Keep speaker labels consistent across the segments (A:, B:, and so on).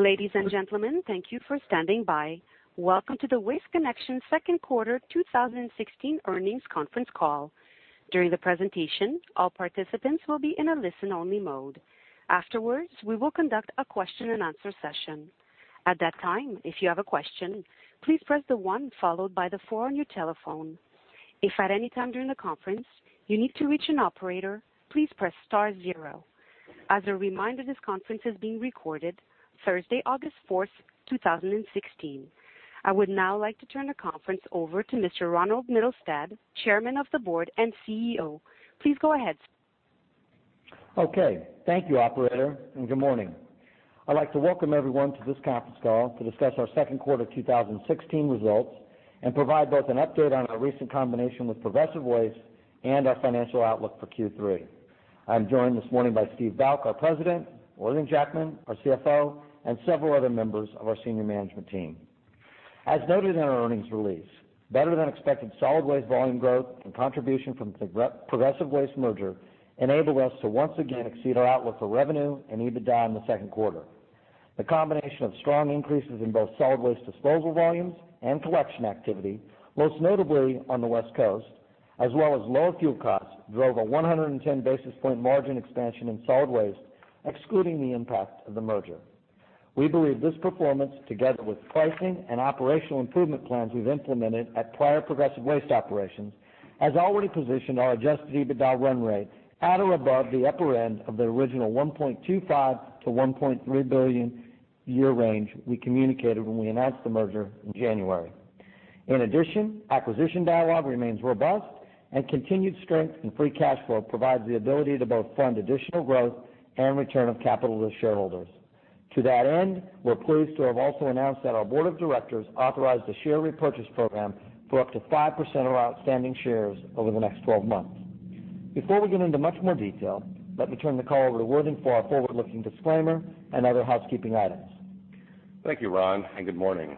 A: Ladies and gentlemen, thank you for standing by. Welcome to the Waste Connections second quarter 2016 earnings conference call. During the presentation, all participants will be in a listen-only mode. Afterwards, we will conduct a question-and-answer session. At that time, if you have a question, please press the one followed by the four on your telephone. If at any time during the conference, you need to reach an operator, please press star zero. As a reminder, this conference is being recorded Thursday, August 4, 2016. I would now like to turn the conference over to Mr. Ronald Mittelstaedt, Chairman of the Board and CEO. Please go ahead.
B: Okay. Thank you, operator, and good morning. I'd like to welcome everyone to this conference call to discuss our second quarter 2016 results and provide both an update on our recent combination with Progressive Waste and our financial outlook for Q3. I'm joined this morning by Steve Bouck, our President, Worthing Jackman, our CFO, and several other members of our senior management team. As noted in our earnings release, better-than-expected solid waste volume growth and contribution from the Progressive Waste merger enabled us to once again exceed our outlook for revenue and EBITDA in the second quarter. The combination of strong increases in both solid waste disposal volumes and collection activity, most notably on the West Coast, as well as lower fuel costs, drove a 110 basis point margin expansion in solid waste, excluding the impact of the merger. We believe this performance, together with pricing and operational improvement plans we've implemented at prior Progressive Waste operations, has already positioned our adjusted EBITDA run rate at or above the upper end of the original $1.25 billion to $1.3 billion year range we communicated when we announced the merger in January. In addition, acquisition dialogue remains robust, and continued strength in free cash flow provides the ability to both fund additional growth and return of capital to shareholders. To that end, we're pleased to have also announced that our board of directors authorized a share repurchase program for up to 5% of our outstanding shares over the next 12 months. Before we get into much more detail, let me turn the call over to Worthing for our forward-looking disclaimer and other housekeeping items.
C: Thank you, Ron, and good morning.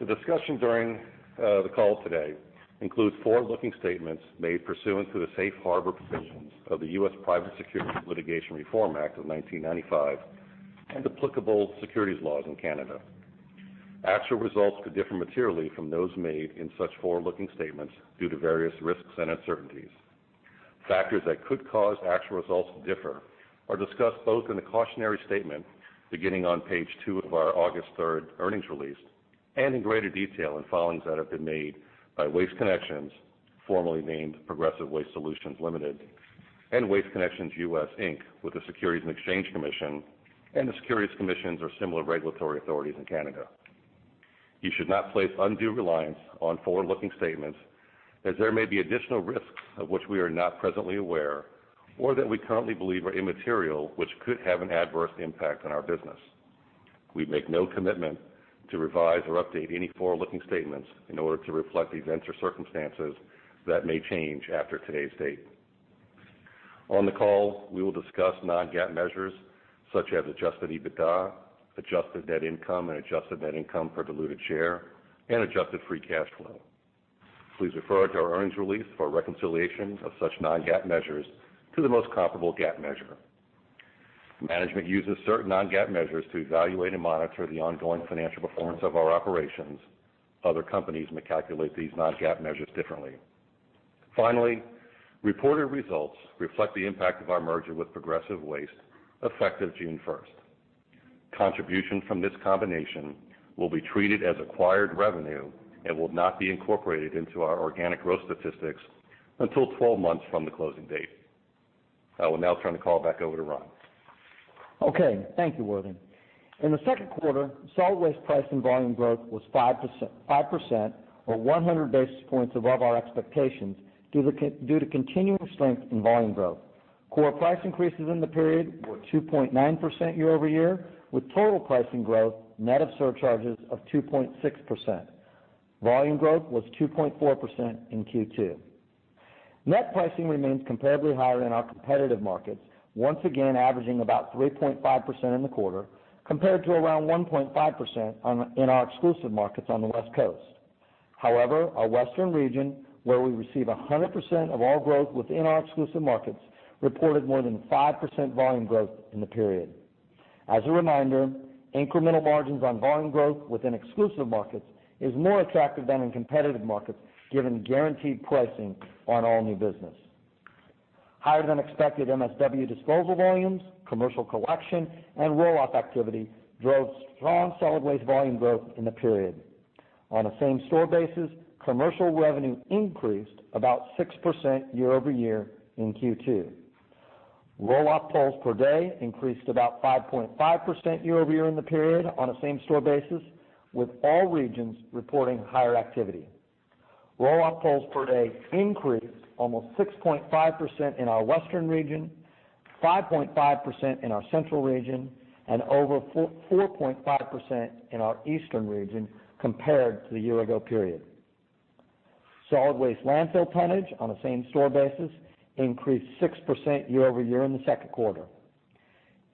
C: The discussion during the call today includes forward-looking statements made pursuant to the Safe Harbor Provisions of the U.S. Private Securities Litigation Reform Act of 1995 and applicable securities laws in Canada. Actual results could differ materially from those made in such forward-looking statements due to various risks and uncertainties. Factors that could cause actual results to differ are discussed both in the cautionary statement beginning on page two of our August 3rd earnings release, and in greater detail in filings that have been made by Waste Connections, formerly named Progressive Waste Solutions Ltd., and Waste Connections US, Inc., with the Securities and Exchange Commission and the securities commissions or similar regulatory authorities in Canada. You should not place undue reliance on forward-looking statements as there may be additional risks of which we are not presently aware or that we currently believe are immaterial, which could have an adverse impact on our business. We make no commitment to revise or update any forward-looking statements in order to reflect events or circumstances that may change after today's date. On the call, we will discuss non-GAAP measures such as adjusted EBITDA, adjusted net income and adjusted net income per diluted share, and adjusted free cash flow. Please refer to our earnings release for reconciliation of such non-GAAP measures to the most comparable GAAP measure. Management uses certain non-GAAP measures to evaluate and monitor the ongoing financial performance of our operations. Other companies may calculate these non-GAAP measures differently. Finally, reported results reflect the impact of our merger with Progressive Waste effective June 1st. Contributions from this combination will be treated as acquired revenue and will not be incorporated into our organic growth statistics until 12 months from the closing date. I will now turn the call back over to Ron.
B: Okay, thank you, Worthington. In the second quarter, solid waste price and volume growth was 5% or 100 basis points above our expectations due to continuous strength in volume growth. Core price increases in the period were 2.9% year-over-year, with total pricing growth net of surcharges of 2.6%. Volume growth was 2.4% in Q2. Net pricing remains comparably higher in our competitive markets, once again averaging about 3.5% in the quarter, compared to around 1.5% in our exclusive markets on the West Coast. However, our western region, where we receive 100% of all growth within our exclusive markets, reported more than 5% volume growth in the period. As a reminder, incremental margins on volume growth within exclusive markets is more attractive than in competitive markets, given guaranteed pricing on all new business. Higher-than-expected MSW disposal volumes, commercial collection, and roll-off activity drove strong solid waste volume growth in the period. On a same-store basis, commercial revenue increased about 6% year-over-year in Q2. Roll-off pulls per day increased about 5.5% year-over-year in the period on a same-store basis, with all regions reporting higher activity. Roll-off pulls per day increased almost 6.5% in our western region, 5.5% in our central region, and over 4.5% in our eastern region compared to the year-ago period. Solid waste landfill tonnage on a same-store basis increased 6% year-over-year in the second quarter.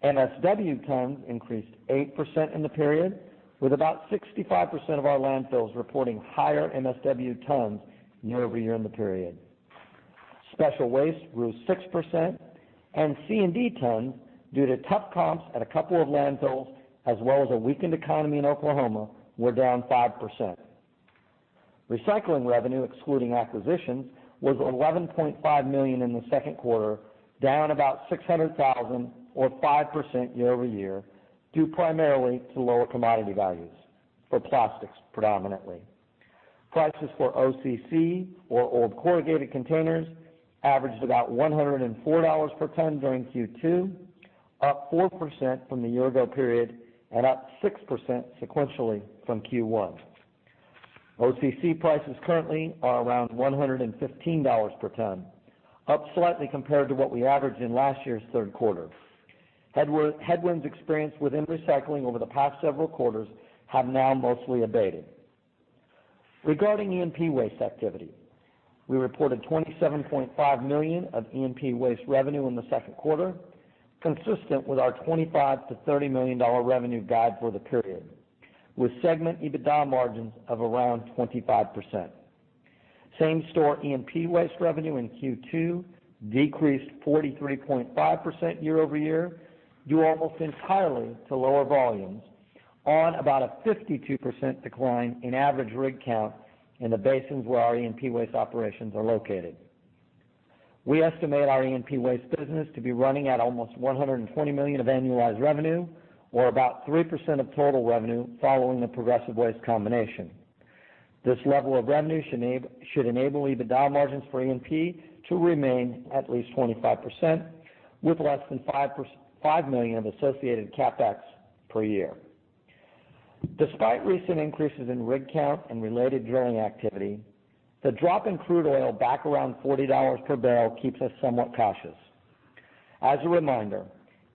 B: MSW tons increased 8% in the period, with about 65% of our landfills reporting higher MSW tons year-over-year in the period. Special waste grew 6%, and C&D tons, due to tough comps at a couple of landfills, as well as a weakened economy in Oklahoma, were down 5%. Recycling revenue, excluding acquisitions, was $11.5 million in the second quarter, down about $600,000 or 5% year-over-year, due primarily to lower commodity values for plastics predominantly. Prices for OCC, or old corrugated containers, averaged about $104 per ton during Q2, up 4% from the year ago period and up 6% sequentially from Q1. OCC prices currently are around $115 per ton, up slightly compared to what we averaged in last year's third quarter. Headwinds experienced within recycling over the past several quarters have now mostly abated. Regarding E&P waste activity, we reported $27.5 million of E&P waste revenue in the second quarter, consistent with our $25 million-$30 million revenue guide for the period, with segment EBITDA margins of around 25%. Same-store E&P waste revenue in Q2 decreased 43.5% year-over-year, due almost entirely to lower volumes on about a 52% decline in average rig count in the basins where our E&P waste operations are located. We estimate our E&P waste business to be running at almost $120 million of annualized revenue or about 3% of total revenue following the Progressive Waste combination. This level of revenue should enable EBITDA margins for E&P to remain at least 25%, with less than $5 million of associated CapEx per year. Despite recent increases in rig count and related drilling activity, the drop in crude oil back around $40 per barrel keeps us somewhat cautious. As a reminder,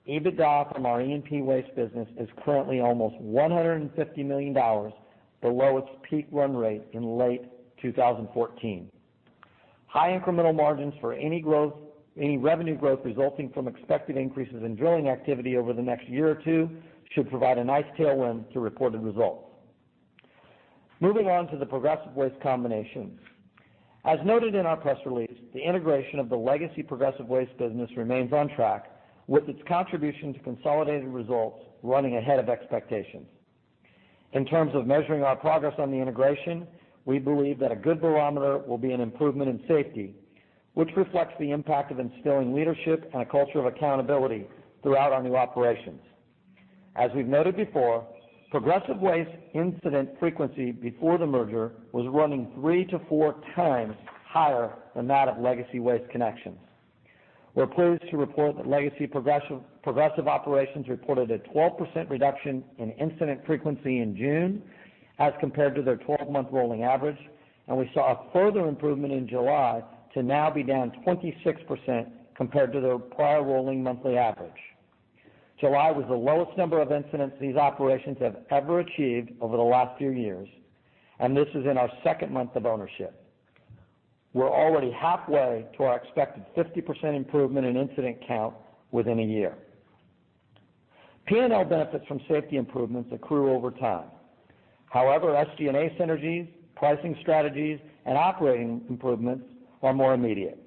B: EBITDA from our E&P waste business is currently almost $150 million below its peak run rate in late 2014. High incremental margins for any revenue growth resulting from expected increases in drilling activity over the next year or two should provide a nice tailwind to reported results. Moving on to the Progressive Waste combination. As noted in our press release, the integration of the legacy Progressive Waste business remains on track with its contribution to consolidated results running ahead of expectations. In terms of measuring our progress on the integration, we believe that a good barometer will be an improvement in safety, which reflects the impact of instilling leadership and a culture of accountability throughout our new operations. As we've noted before, Progressive Waste incident frequency before the merger was running three to four times higher than that of legacy Waste Connections. We're pleased to report that legacy Progressive operations reported a 12% reduction in incident frequency in June as compared to their 12-month rolling average, and we saw a further improvement in July to now be down 26% compared to their prior rolling monthly average. July was the lowest number of incidents these operations have ever achieved over the last few years, and this is in our second month of ownership. We're already halfway to our expected 50% improvement in incident count within a year. P&L benefits from safety improvements accrue over time. However, SG&A synergies, pricing strategies, and operating improvements are more immediate.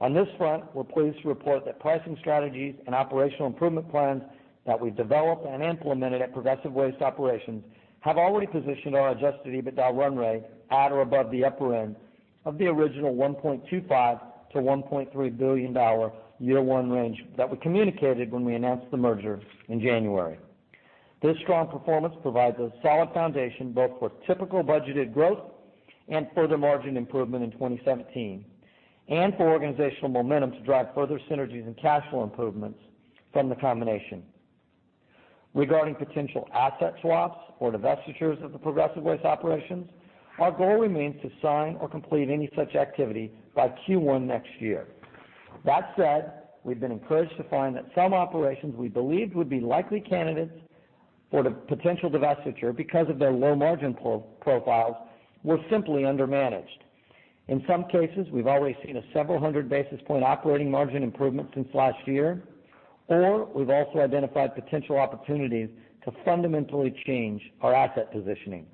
B: On this front, we're pleased to report that pricing strategies and operational improvement plans that we've developed and implemented at Progressive Waste operations have already positioned our adjusted EBITDA run rate at or above the upper end of the original $1.25 billion-$1.3 billion year one range that we communicated when we announced the merger in January. This strong performance provides a solid foundation both for typical budgeted growth and further margin improvement in 2017 and for organizational momentum to drive further synergies and cash flow improvements from the combination. Regarding potential asset swaps or divestitures of the Progressive Waste operations, our goal remains to sign or complete any such activity by Q1 next year. That said, we've been encouraged to find that some operations we believed would be likely candidates for the potential divestiture because of their low margin profiles were simply undermanaged. In some cases, we've already seen a several hundred basis point operating margin improvement since last year, or we've also identified potential opportunities to fundamentally change our asset positioning.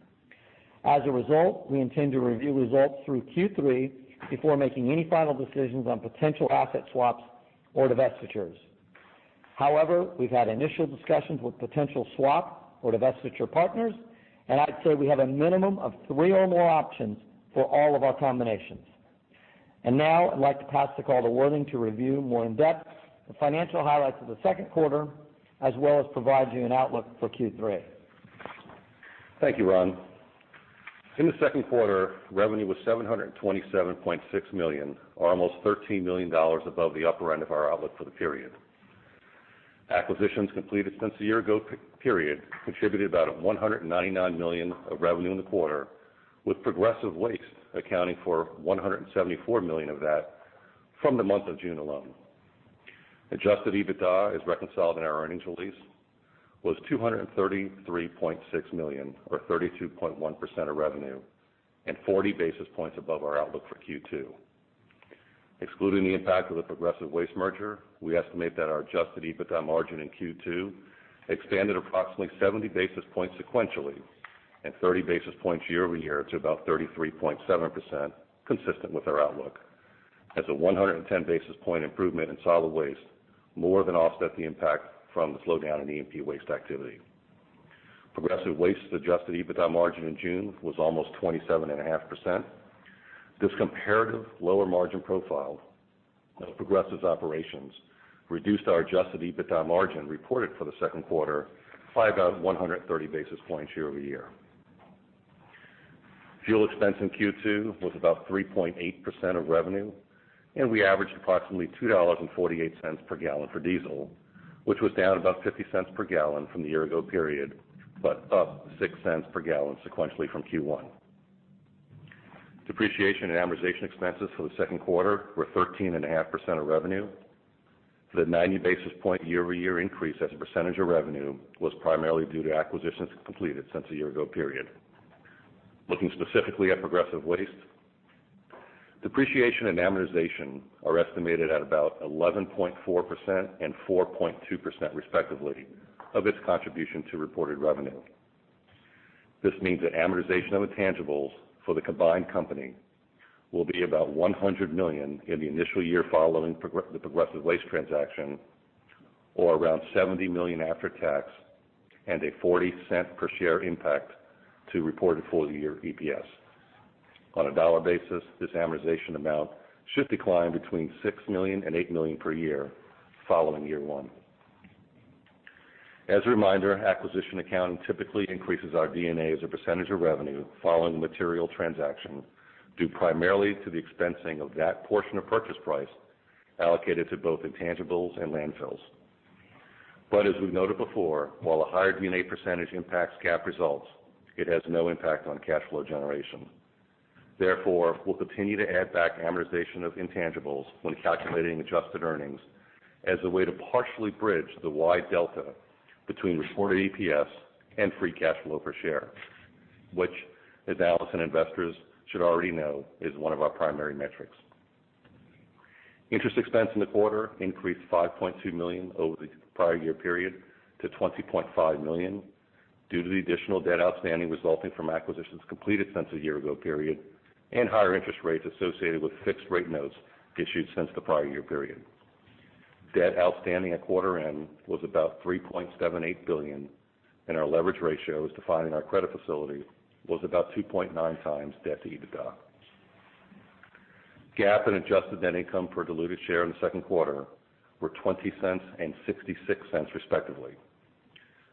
B: As a result, we intend to review results through Q3 before making any final decisions on potential asset swaps or divestitures. However, we've had initial discussions with potential swap or divestiture partners, I'd say we have a minimum of three or more options for all of our combinations. Now I'd like to pass the call to Worthington to review more in-depth the financial highlights of the second quarter, as well as provide you an outlook for Q3.
C: Thank you, Ron. In the second quarter, revenue was $727.6 million, or almost $13 million above the upper end of our outlook for the period. Acquisitions completed since the year-ago period contributed about $199 million of revenue in the quarter, with Progressive Waste accounting for $174 million of that from the month of June alone. Adjusted EBITDA, as reconciled in our earnings release, was $233.6 million or 32.1% of revenue and 40 basis points above our outlook for Q2. Excluding the impact of the Progressive Waste merger, we estimate that our adjusted EBITDA margin in Q2 expanded approximately 70 basis points sequentially 30 basis points year-over-year to about 33.7%, consistent with our outlook. That's a 110 basis point improvement in solid waste, more than offset the impact from the slowdown in E&P waste activity. Progressive Waste's adjusted EBITDA margin in June was almost 27.5%. This comparative lower margin profile of Progressive's operations reduced our adjusted EBITDA margin reported for the second quarter by about 130 basis points year-over-year. Fuel expense in Q2 was about 3.8% of revenue. We averaged approximately $2.48 per gallon for diesel, which was down about $0.50 per gallon from the year-ago period, up $0.06 per gallon sequentially from Q1. Depreciation and amortization expenses for the second quarter were 13.5% of revenue. The 90 basis point year-over-year increase as a percentage of revenue was primarily due to acquisitions completed since the year-ago period. Looking specifically at Progressive Waste, depreciation and amortization are estimated at about 11.4% and 4.2%, respectively, of its contribution to reported revenue. This means the amortization of intangibles for the combined company will be about $100 million in the initial year following the Progressive Waste transaction, or around $70 million after tax and a $0.40 per share impact to reported full-year EPS. On a dollar basis, this amortization amount should decline between $6 million and $8 million per year following year one. As a reminder, acquisition accounting typically increases our D&A as a percentage of revenue following material transaction, due primarily to the expensing of that portion of purchase price allocated to both intangibles and landfills. As we've noted before, while a higher D&A percentage impacts GAAP results, it has no impact on cash flow generation. We'll continue to add back amortization of intangibles when calculating adjusted earnings as a way to partially bridge the wide delta between reported EPS and free cash flow per share, which analysts and investors should already know is one of our primary metrics. Interest expense in the quarter increased $5.2 million over the prior year period to $20.5 million due to the additional debt outstanding resulting from acquisitions completed since the year ago period and higher interest rates associated with fixed rate notes issued since the prior year period. Debt outstanding at quarter end was about $3.78 billion, and our leverage ratio as defined in our credit facility was about 2.9 times debt to EBITDA. GAAP and adjusted net income per diluted share in the second quarter were $0.20 and $0.66 respectively.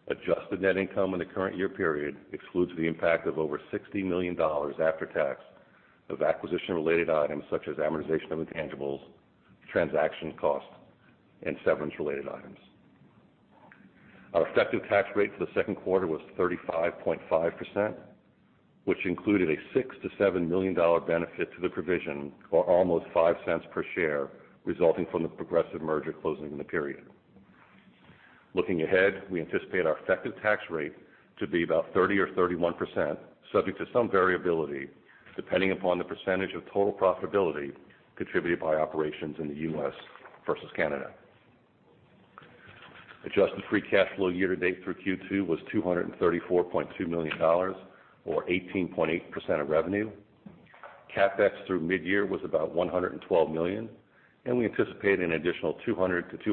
C: Adjusted net income in the current year period excludes the impact of over $60 million after tax of acquisition-related items such as amortization of intangibles, transaction costs, and severance-related items. Our effective tax rate for the second quarter was 35.5%, which included a $6 million-$7 million benefit to the provision, or almost $0.05 per share, resulting from the Progressive merger closing in the period. Looking ahead, we anticipate our effective tax rate to be about 30% or 31%, subject to some variability, depending upon the percentage of total profitability contributed by operations in the U.S. versus Canada. Adjusted free cash flow year-to-date through Q2 was $234.2 million, or 18.8% of revenue. CapEx through mid-year was about $112 million, and we anticipate an additional $200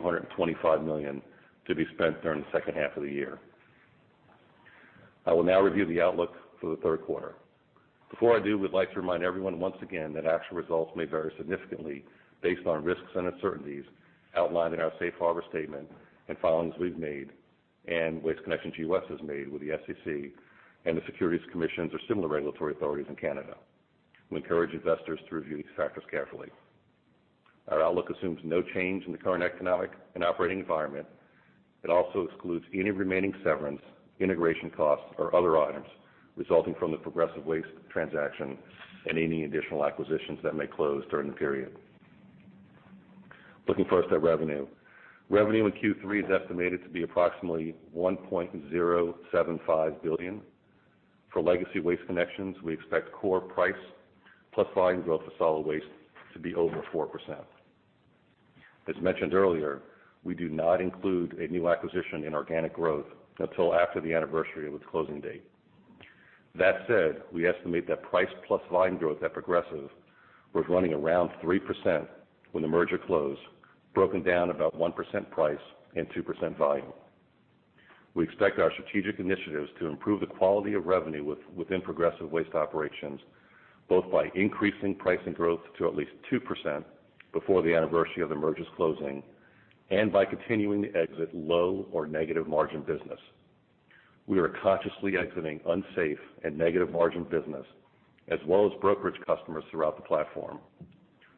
C: million-$225 million to be spent during the second half of the year. I will now review the outlook for the third quarter. Before I do, we'd like to remind everyone once again that actual results may vary significantly based on risks and uncertainties outlined in our safe harbor statement and filings we've made, and Waste Connections U.S. has made with the SEC and the securities commissions or similar regulatory authorities in Canada. We encourage investors to review these factors carefully. Our outlook assumes no change in the current economic and operating environment. It also excludes any remaining severance, integration costs, or other items resulting from the Progressive Waste transaction and any additional acquisitions that may close during the period. Looking first at revenue. Revenue in Q3 is estimated to be approximately $1.075 billion. For legacy Waste Connections, we expect core price plus volume growth for solid waste to be over 4%. As mentioned earlier, we do not include a new acquisition in organic growth until after the anniversary of its closing date. That said, we estimate that price plus volume growth at Progressive was running around 3% when the merger closed, broken down about 1% price and 2% volume. We expect our strategic initiatives to improve the quality of revenue within Progressive Waste operations, both by increasing price and growth to at least 2% before the anniversary of the merger's closing, and by continuing to exit low or negative margin business. We are consciously exiting unsafe and negative margin business, as well as brokerage customers throughout the platform.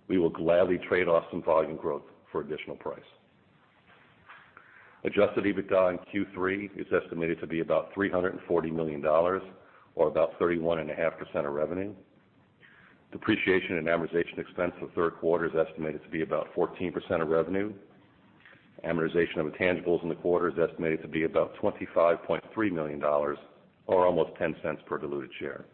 C: We will gladly trade off some volume growth for additional price. Adjusted EBITDA in Q3 is estimated to be about $340 million, or about 31.5% of revenue. Depreciation and amortization expense for the third quarter is estimated to be about 14% of revenue. Amortization of intangibles in the quarter is estimated to be about $25.3 million, or almost $0.10 per diluted share.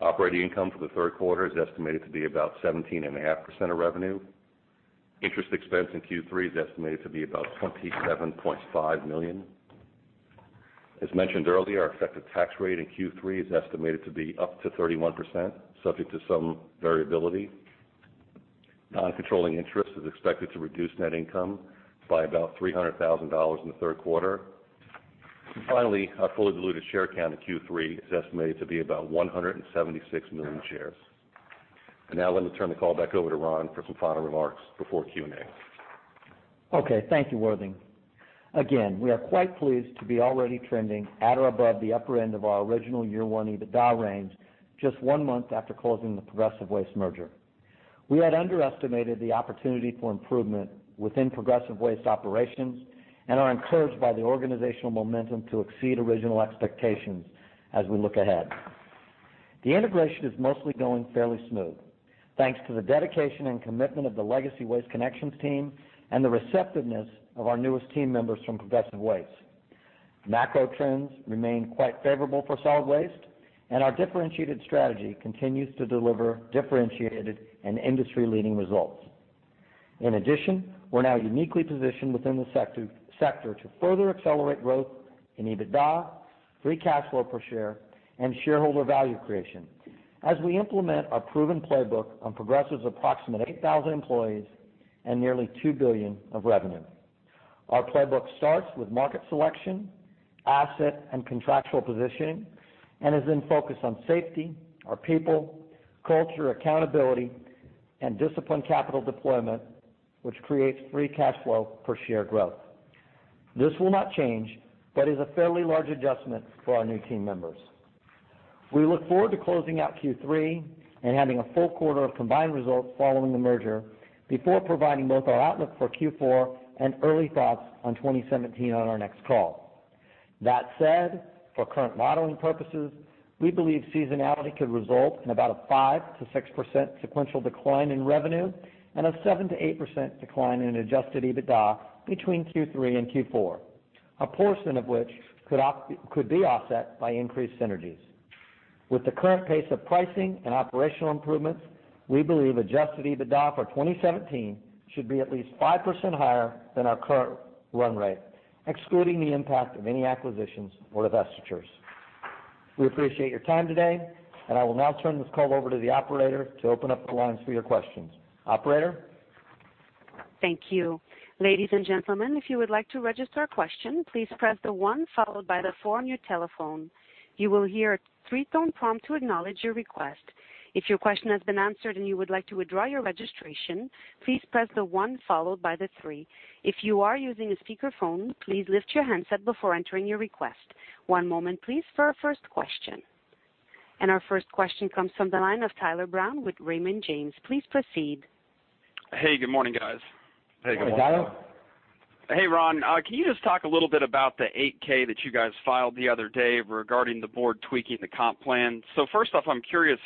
C: Operating income for the third quarter is estimated to be about 17.5% of revenue. Interest expense in Q3 is estimated to be about $27.5 million. As mentioned earlier, our effective tax rate in Q3 is estimated to be up to 31%, subject to some variability. Non-controlling interest is expected to reduce net income by about $300,000 in the third quarter. Finally, our fully diluted share count in Q3 is estimated to be about 176 million shares. Now let me turn the call back over to Ron for some final remarks before Q&A.
B: Okay. Thank you, Worthing. Again, we are quite pleased to be already trending at or above the upper end of our original year one EBITDA range just one month after closing the Progressive Waste merger. We had underestimated the opportunity for improvement within Progressive Waste operations and are encouraged by the organizational momentum to exceed original expectations as we look ahead. The integration is mostly going fairly smooth, thanks to the dedication and commitment of the legacy Waste Connections team and the receptiveness of our newest team members from Progressive Waste. Macro trends remain quite favorable for solid waste. Our differentiated strategy continues to deliver differentiated and industry-leading results. In addition, we're now uniquely positioned within the sector to further accelerate growth in EBITDA, free cash flow per share, and shareholder value creation as we implement our proven playbook on Progressive's approximately 8,000 employees and nearly two billion of revenue. Our playbook starts with market selection, asset, and contractual positioning. Is in focus on safety, our people, culture, accountability, and disciplined capital deployment, which creates free cash flow per share growth. This will not change, but is a fairly large adjustment for our new team members. We look forward to closing out Q3 and having a full quarter of combined results following the merger before providing both our outlook for Q4 and early thoughts on 2017 on our next call. That said, for current modeling purposes, we believe seasonality could result in about a 5%-6% sequential decline in revenue and a 7%-8% decline in adjusted EBITDA between Q3 and Q4. A portion of which could be offset by increased synergies. With the current pace of pricing and operational improvements, we believe adjusted EBITDA for 2017 should be at least 5% higher than our current run rate, excluding the impact of any acquisitions or divestitures. We appreciate your time today, and I will now turn this call over to the operator to open up the lines for your questions. Operator?
A: Thank you. Ladies and gentlemen, if you would like to register a question, please press the one followed by the four on your telephone. You will hear a three-tone prompt to acknowledge your request. If your question has been answered and you would like to withdraw your registration, please press the one followed by the three. If you are using a speakerphone, please lift your handset before entering your request. One moment please for our first question. Our first question comes from the line of Tyler Brown with Raymond James. Please proceed.
D: Hey, good morning, guys.
B: Hey, Tyler.
C: Hey, good morning.
D: Hey, Ron. Can you just talk a little bit about the 8-K that you guys filed the other day regarding the board tweaking the comp plan? First off, I'm curious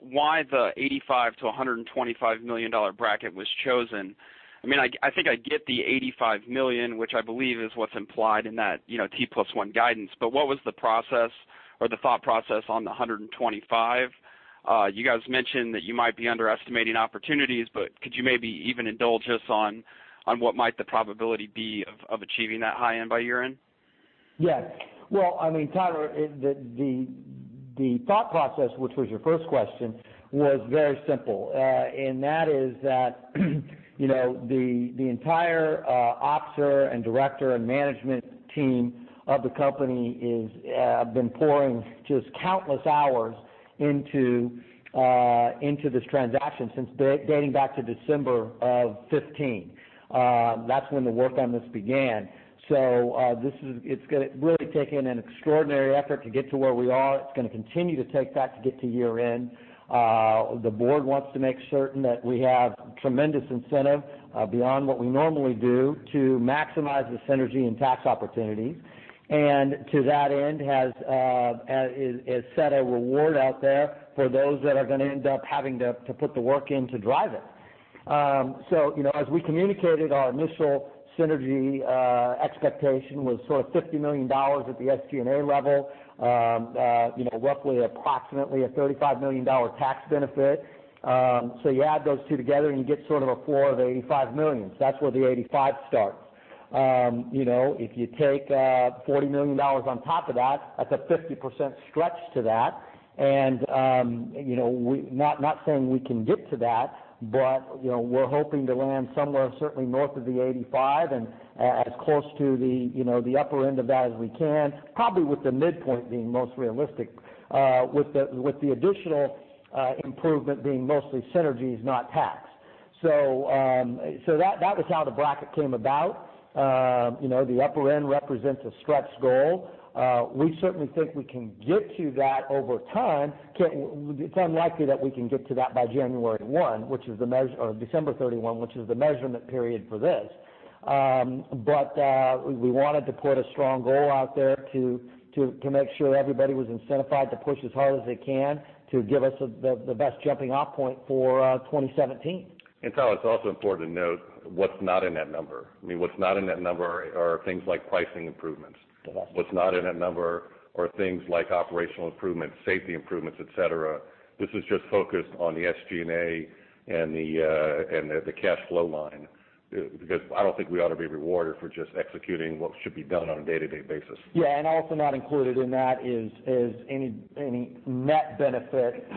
D: why the $85 million-$125 million bracket was chosen. I think I get the $85 million, which I believe is what's implied in that T plus one guidance, but what was the process or the thought process on the 125? You guys mentioned that you might be underestimating opportunities, could you maybe even indulge us on what might the probability be of achieving that high end by year end?
B: Yes. Well, Tyler, the thought process, which was your first question, was very simple. That is that the entire officer and director and management team of the company have been pouring just countless hours into this transaction, dating back to December of 2015. That's when the work on this began. It's really taken an extraordinary effort to get to where we are. It's going to continue to take that to get to year end. The board wants to make certain that we have tremendous incentive, beyond what we normally do, to maximize the synergy and tax opportunities. To that end, has set a reward out there for those that are going to end up having to put the work in to drive it. As we communicated, our initial synergy expectation was sort of $50 million at the SG&A level. Roughly approximately a $35 million tax benefit. You add those two together and you get sort of a floor of $85 million. That's where the 85 starts. If you take $40 million on top of that's a 50% stretch to that. Not saying we can get to that, but we're hoping to land somewhere certainly north of the 85 and as close to the upper end of that as we can, probably with the midpoint being most realistic, with the additional improvement being mostly synergies, not tax. That was how the bracket came about. The upper end represents a stretch goal. We certainly think we can get to that over time. It's unlikely that we can get to that by January 1, which is the measure or December 31, which is the measurement period for this. We wanted to put a strong goal out there to make sure everybody was incentivized to push as hard as they can to give us the best jumping-off point for 2017.
C: Tyler, it's also important to note what's not in that number. What's not in that number are things like pricing improvements. What's not in that number are things like operational improvements, safety improvements, et cetera. This is just focused on the SG&A and the cash flow line. I don't think we ought to be rewarded for just executing what should be done on a day-to-day basis.
B: Also not included in that is any net benefit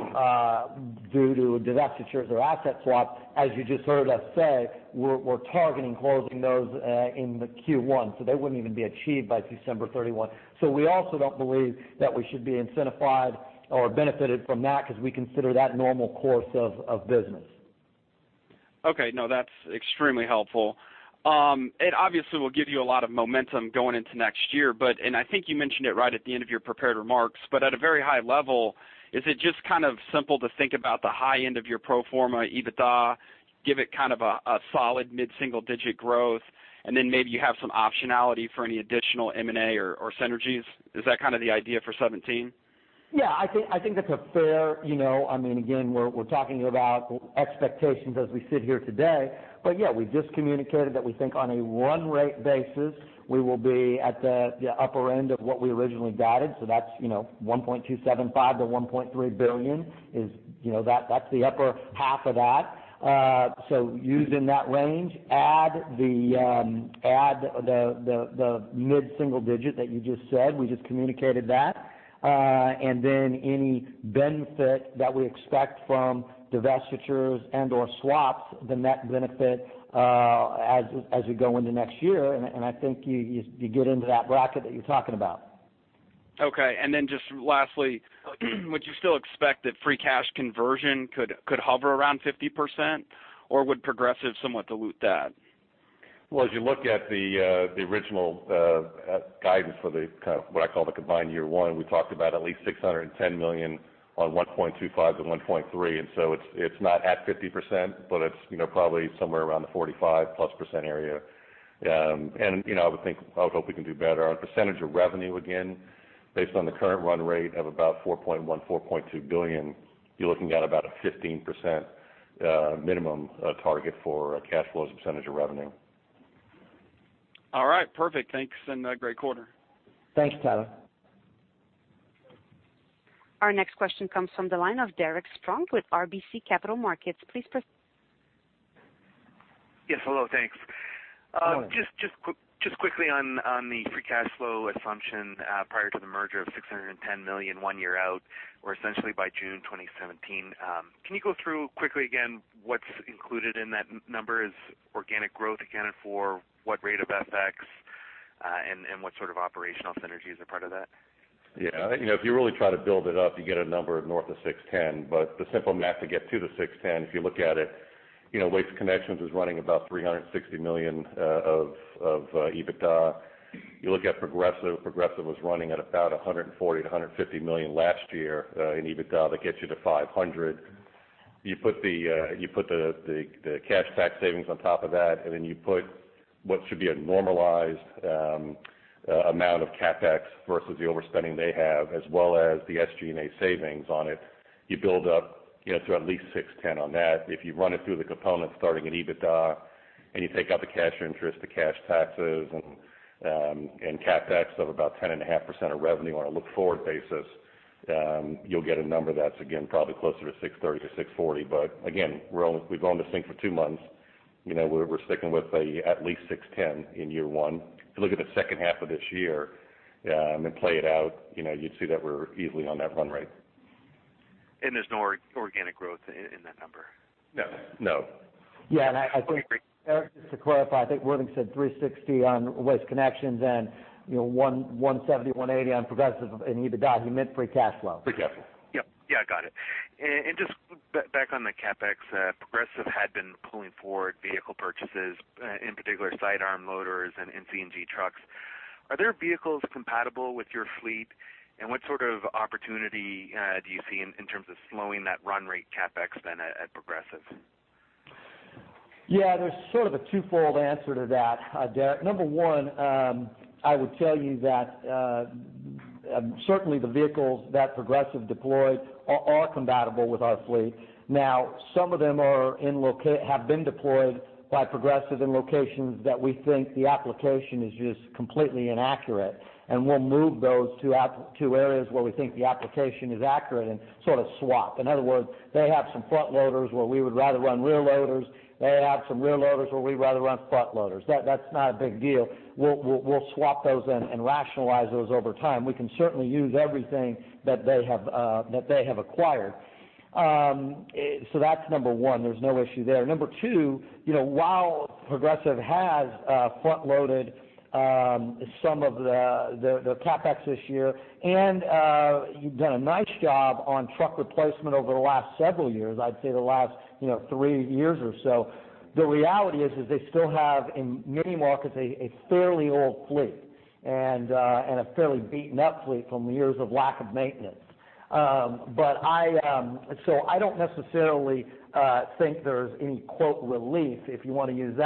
B: due to divestitures or asset swaps. As you just heard us say, we're targeting closing those in Q1, so they wouldn't even be achieved by December 31. We also don't believe that we should be incentivized or benefited from that because we consider that normal course of business.
D: Okay. No, that's extremely helpful. It obviously will give you a lot of momentum going into next year. I think you mentioned it right at the end of your prepared remarks, but at a very high level, is it just simple to think about the high end of your pro forma EBITDA, give it a solid mid-single-digit growth, then maybe you have some optionality for any additional M&A or synergies? Is that the idea for 2017?
B: Yeah, I think that's fair. Again, we're talking about expectations as we sit here today. Yeah, we just communicated that we think on a run rate basis, we will be at the upper end of what we originally guided. That's $1.275 billion-$1.3 billion. That's the upper half of that. Use that range, add the mid-single-digit that you just said, we just communicated that, then any benefit that we expect from divestitures and/or swaps, the net benefit as we go into next year, I think you get into that bracket that you're talking about.
D: Okay. Just lastly, would you still expect that free cash conversion could hover around 50%, or would Progressive somewhat dilute that?
C: Well, as you look at the original guidance for what I call the combined year one, we talked about at least $610 million on $1.25 billion-$1.3 billion. It's not at 50%, but it's probably somewhere around the 45%+ area. I would hope we can do better. Our percentage of revenue, again, based on the current run rate of about $4.1 billion-$4.2 billion, you're looking at about a 15% minimum target for cash flow as a percentage of revenue.
D: All right. Perfect. Thanks. Great quarter.
B: Thanks, Tyler.
A: Our next question comes from the line of Derek Spronck with RBC Capital Markets. Please proceed.
E: Yes. Hello, thanks.
B: Hello.
E: Just quickly on the free cash flow assumption prior to the merger of $610 million one year out, or essentially by June 2017. Can you go through quickly again what is included in that number? Is organic growth accounted for? What rate of FX, and what sort of operational synergies are part of that?
C: Yeah. If you really try to build it up, you get a number north of 610. The simple math to get to the 610, if you look at it, Waste Connections is running about $360 million of EBITDA. You look at Progressive was running at about $140-$150 million last year in EBITDA. That gets you to 500. You put the cash tax savings on top of that, then you put what should be a normalized amount of CapEx versus the overspending they have, as well as the SG&A savings on it. You build up to at least 610 on that. If you run it through the components starting at EBITDA, you take out the cash interest, the cash taxes, and CapEx of about 10.5% of revenue on a look-forward basis, you'll get a number that's, again, probably closer to 630-640. Again, we've owned this thing for two months. We're sticking with at least 610 in year one. If you look at the second half of this year then play it out, you'd see that we're easily on that run rate.
E: There's no organic growth in that number?
C: No.
B: Yeah, I think, Derek Spronck, just to clarify, I think Worthington said $360 on Waste Connections and $170, $180 on Progressive in EBITDA. He meant free cash flow.
C: Free cash flow.
E: Yep. Yeah, got it. Just back on the CapEx, Progressive had been pulling forward vehicle purchases, in particular sidearm loaders and CNG trucks. Are their vehicles compatible with your fleet, and what sort of opportunity do you see in terms of slowing that run rate CapEx then at Progressive?
B: Yeah. There's sort of a twofold answer to that, Derek Spronck. Number one, I would tell you that certainly the vehicles that Progressive deployed are compatible with our fleet. Now, some of them have been deployed by Progressive in locations that we think the application is just completely inaccurate. We'll move those to areas where we think the application is accurate and sort of swap. In other words, they have some front loaders where we would rather run rear loaders. They have some rear loaders where we'd rather run front loaders. That's not a big deal. We'll swap those and rationalize those over time. We can certainly use everything that they have acquired. That's number one. There's no issue there. Number two, while Progressive has front-loaded some of the CapEx this year and done a nice job on truck replacement over the last several years, I'd say the last three years or so, the reality is they still have, in many markets, a fairly old fleet and a fairly beaten-up fleet from years of lack of maintenance. I don't necessarily think there's any "relief," if you want to use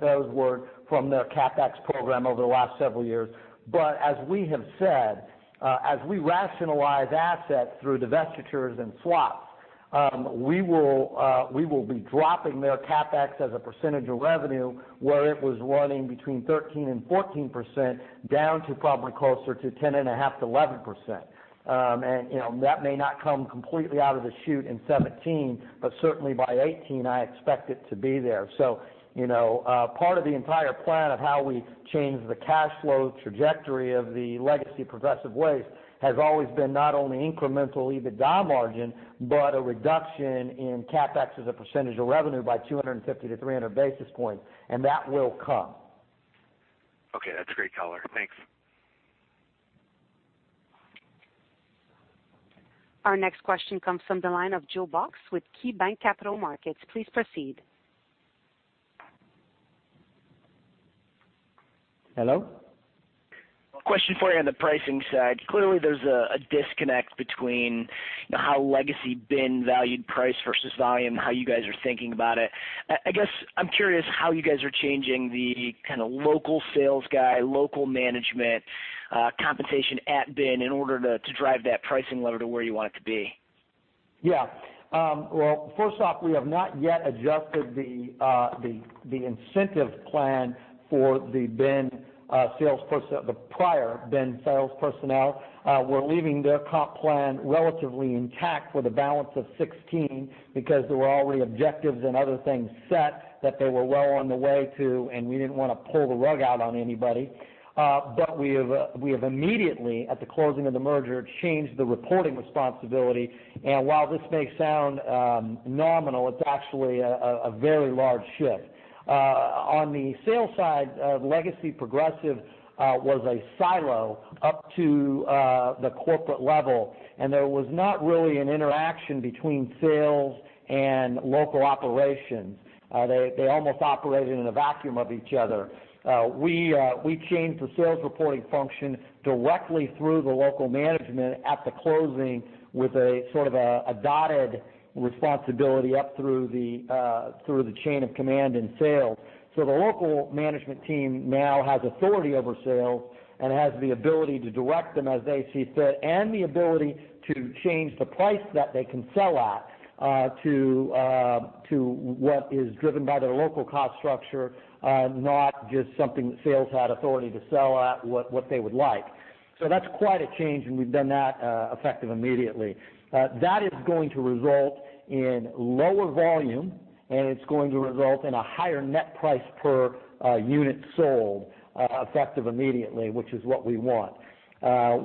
B: those words, from their CapEx program over the last several years. As we have said, as we rationalize assets through divestitures and swaps, we will be dropping their CapEx as a percentage of revenue where it was running between 13%-14%, down to probably closer to 10.5%-11%. That may not come completely out of the chute in 2017, but certainly by 2018, I expect it to be there. Part of the entire plan of how we change the cash flow trajectory of the legacy Progressive Waste has always been not only incremental EBITDA margin, but a reduction in CapEx as a percentage of revenue by 250-300 basis points, that will come.
E: Okay, that's great, Tyler. Thanks.
A: Our next question comes from the line of Joe Box with KeyBanc Capital Markets. Please proceed.
F: Hello? Question for you on the pricing side. Clearly, there's a disconnect between how legacy BIN valued price versus volume, how you guys are thinking about it. I guess I'm curious how you guys are changing the kind of local sales guy, local management compensation at BIN in order to drive that pricing lever to where you want it to be.
B: Yeah. Well, first off, we have not yet adjusted the incentive plan for the prior BIN sales personnel. We're leaving their comp plan relatively intact for the balance of 2016 because there were already objectives and other things set that they were well on the way to, and we didn't want to pull the rug out on anybody. We have immediately, at the closing of the merger, changed the reporting responsibility. While this may sound nominal, it's actually a very large shift. On the sales side, legacy Progressive Waste was a silo up to the corporate level, there was not really an interaction between sales and local operations. They almost operated in a vacuum of each other. We changed the sales reporting function directly through the local management at the closing with a sort of a dotted responsibility up through the chain of command in sales. The local management team now has authority over sales and has the ability to direct them as they see fit and the ability to change the price that they can sell at, to what is driven by their local cost structure, not just something that sales had authority to sell at what they would like. That's quite a change, we've done that effective immediately. That is going to result in lower volume, it's going to result in a higher net price per unit sold effective immediately, which is what we want.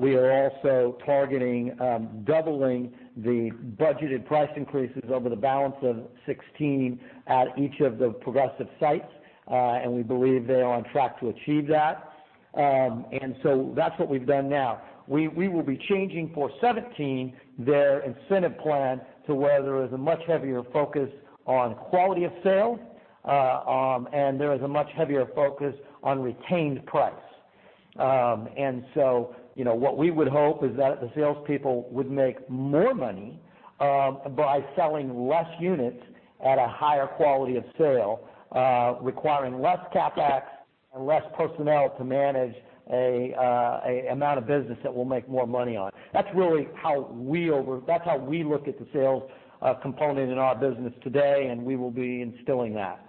B: We are also targeting doubling the budgeted price increases over the balance of 2016 at each of the Progressive Waste sites. We believe they are on track to achieve that. That's what we've done now. We will be changing for 2017 their incentive plan to where there is a much heavier focus on quality of sale, there is a much heavier focus on retained price. What we would hope is that the salespeople would make more money by selling less units at a higher quality of sale, requiring less CapEx and less personnel to manage an amount of business that we'll make more money on. That's how we look at the sales component in our business today, we will be instilling that.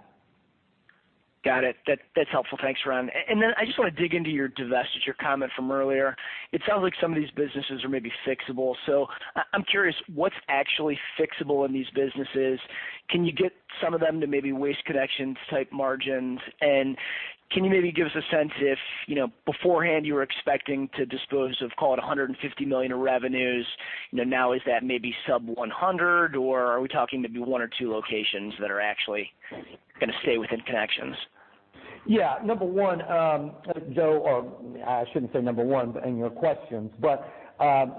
F: Got it. That's helpful. Thanks, Ron. I just want to dig into your divestiture comment from earlier. It sounds like some of these businesses are maybe fixable. I'm curious what's actually fixable in these businesses. Can you get some of them to maybe Waste Connections type margins? Can you maybe give us a sense if beforehand you were expecting to dispose of, call it, $150 million of revenues. Now is that maybe sub-$100, or are we talking maybe one or two locations that are actually going to stay within Connections?
B: Yeah. Number 1, Joe, or I shouldn't say number 1 in your questions, but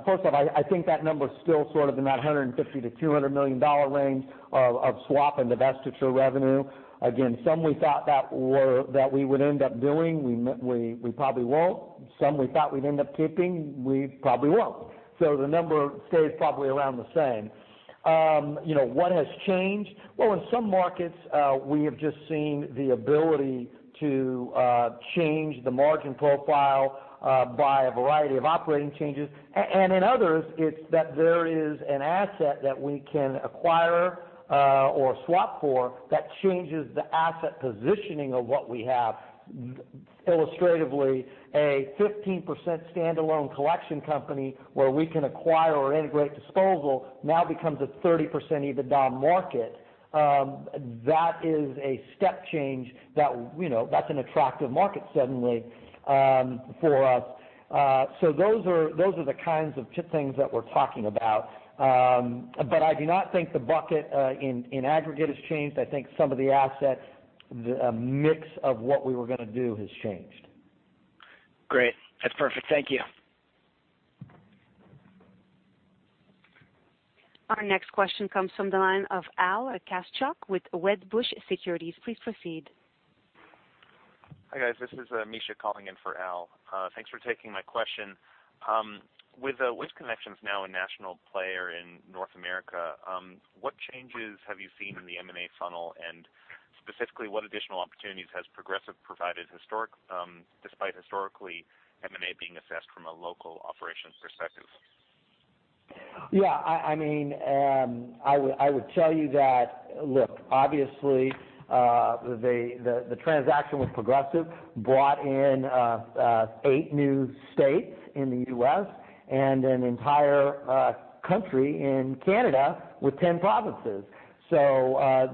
B: first off, I think that number is still sort of in that $150 million-$200 million range of swap and divestiture revenue. Again, some we thought that we would end up doing, we probably won't. Some we thought we'd end up keeping, we probably will. The number stays probably around the same. What has changed? Well, in some markets, we have just seen the ability to change the margin profile by a variety of operating changes. In others, it's that there is an asset that we can acquire or swap for that changes the asset positioning of what we have. Illustratively, a 15% standalone collection company where we can acquire or integrate disposal now becomes a 30% EBITDA market. That is a step change. That's an attractive market suddenly for us. Those are the kinds of things that we're talking about. I do not think the bucket in aggregate has changed. I think some of the asset mix of what we were going to do has changed.
F: Great. That's perfect. Thank you.
A: Our next question comes from the line of Al Kaschalk with Wedbush Securities. Please proceed.
G: Hi, guys. This is Misha calling in for Al. Thanks for taking my question. With Waste Connections now a national player in North America, what changes have you seen in the M&A funnel, and specifically, what additional opportunities has Progressive provided, despite historically M&A being assessed from a local operations perspective?
B: Yeah. I would tell you that, look, obviously, the transaction with Progressive brought in eight new states in the U.S. and an entire country in Canada with 10 provinces.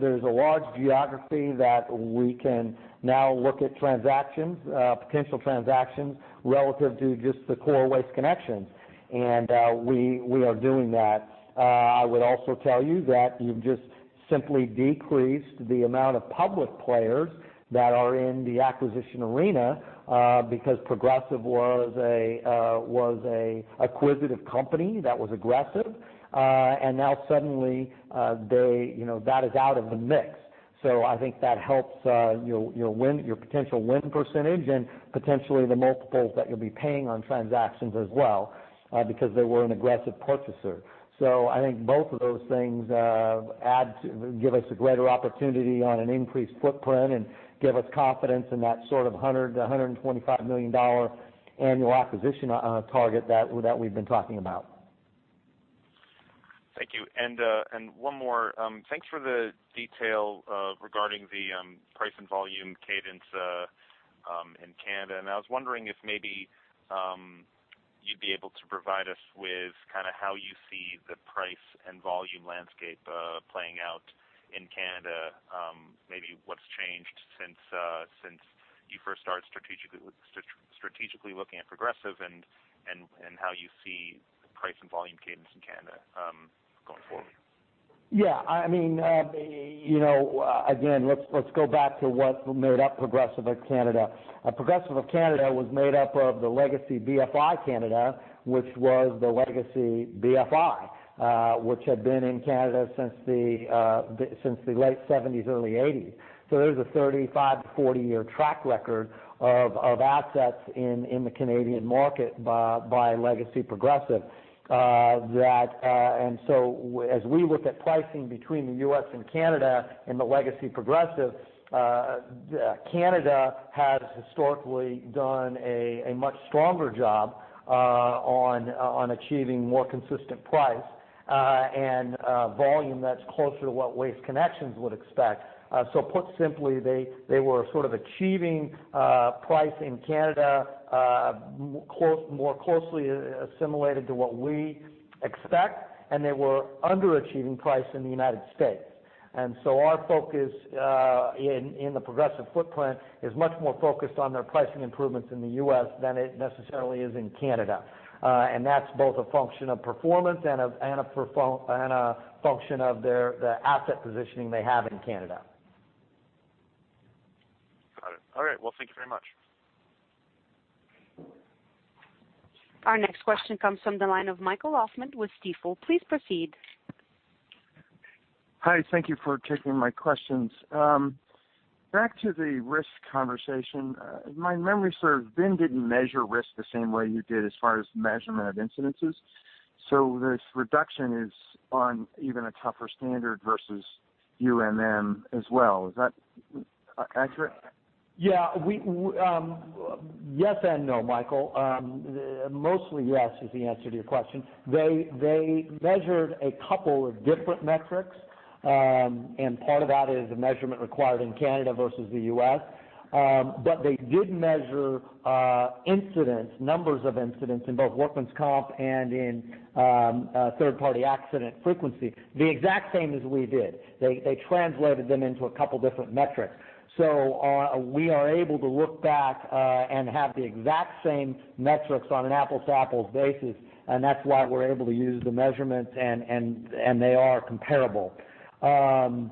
B: There's a large geography that we can now look at transactions, potential transactions, relative to just the core Waste Connections. We are doing that. I would also tell you that you've just simply decreased the amount of public players that are in the acquisition arena, because Progressive was an acquisitive company that was aggressive. Now suddenly, that is out of the mix. I think that helps your potential win percentage and potentially the multiples that you'll be paying on transactions as well, because they were an aggressive purchaser. I think both of those things give us a greater opportunity on an increased footprint and give us confidence in that sort of $100 million-$125 million annual acquisition target that we've been talking about.
G: Thank you. One more. Thanks for the detail regarding the price and volume cadence in Canada. I was wondering if maybe you'd be able to provide us with how you see the price and volume landscape playing out in Canada. Maybe what's changed since you first started strategically looking at Progressive and how you see the price and volume cadence in Canada going forward.
B: Yeah. Again, let's go back to what made up Progressive of Canada. Progressive of Canada was made up of the legacy BFI Canada, which was the legacy BFI, which had been in Canada since the late '70s, early '80s. There's a 35- to 40-year track record of assets in the Canadian market by legacy Progressive. As we look at pricing between the U.S. and Canada in the legacy Progressive, Canada has historically done a much stronger job on achieving more consistent price and volume that's closer to what Waste Connections would expect. Put simply, they were sort of achieving price in Canada more closely assimilated to what we expect, and they were underachieving price in the United States. Our focus in the Progressive footprint is much more focused on their pricing improvements in the U.S. than it necessarily is in Canada. That's both a function of performance and a function of the asset positioning they have in Canada.
G: Got it. All right. Well, thank you very much.
A: Our next question comes from the line of Michael Hoffman with Stifel. Please proceed.
H: Hi, thank you for taking my questions. Back to the risk conversation. My memory serves, BIN didn't measure risk the same way you did as far as measurement of incidents. This reduction is on even a tougher standard versus BIN as well. Is that accurate?
B: Yes and no, Michael. Mostly yes is the answer to your question. They measured a couple of different metrics, and part of that is the measurement required in Canada versus the U.S. They did measure incidents, numbers of incidents in both workman's comp and in third-party accident frequency, the exact same as we did. They translated them into a couple different metrics. We are able to look back and have the exact same metrics on an apples-to-apples basis, and that's why we're able to use the measurements, and they are comparable. They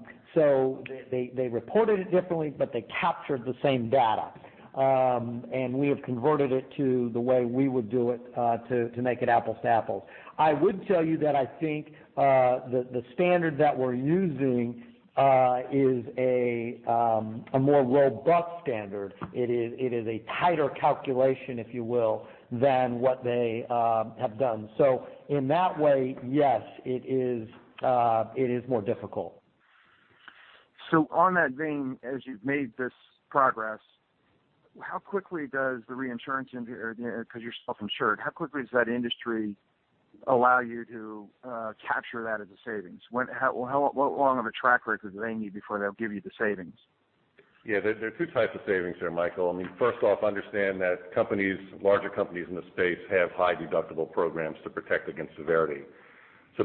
B: reported it differently, but they captured the same data. We have converted it to the way we would do it to make it apples to apples. I would tell you that I think the standard that we're using is a more robust standard. It is a tighter calculation, if you will, than what they have done. In that way, yes, it is more difficult.
H: On that vein, as you've made this progress, how quickly does the reinsurance, because you're self-insured, how quickly does that industry allow you to capture that as a savings? How long of a track record do they need before they'll give you the savings?
C: Yeah, there are two types of savings there, Michael. First off, understand that larger companies in the space have high deductible programs to protect against severity.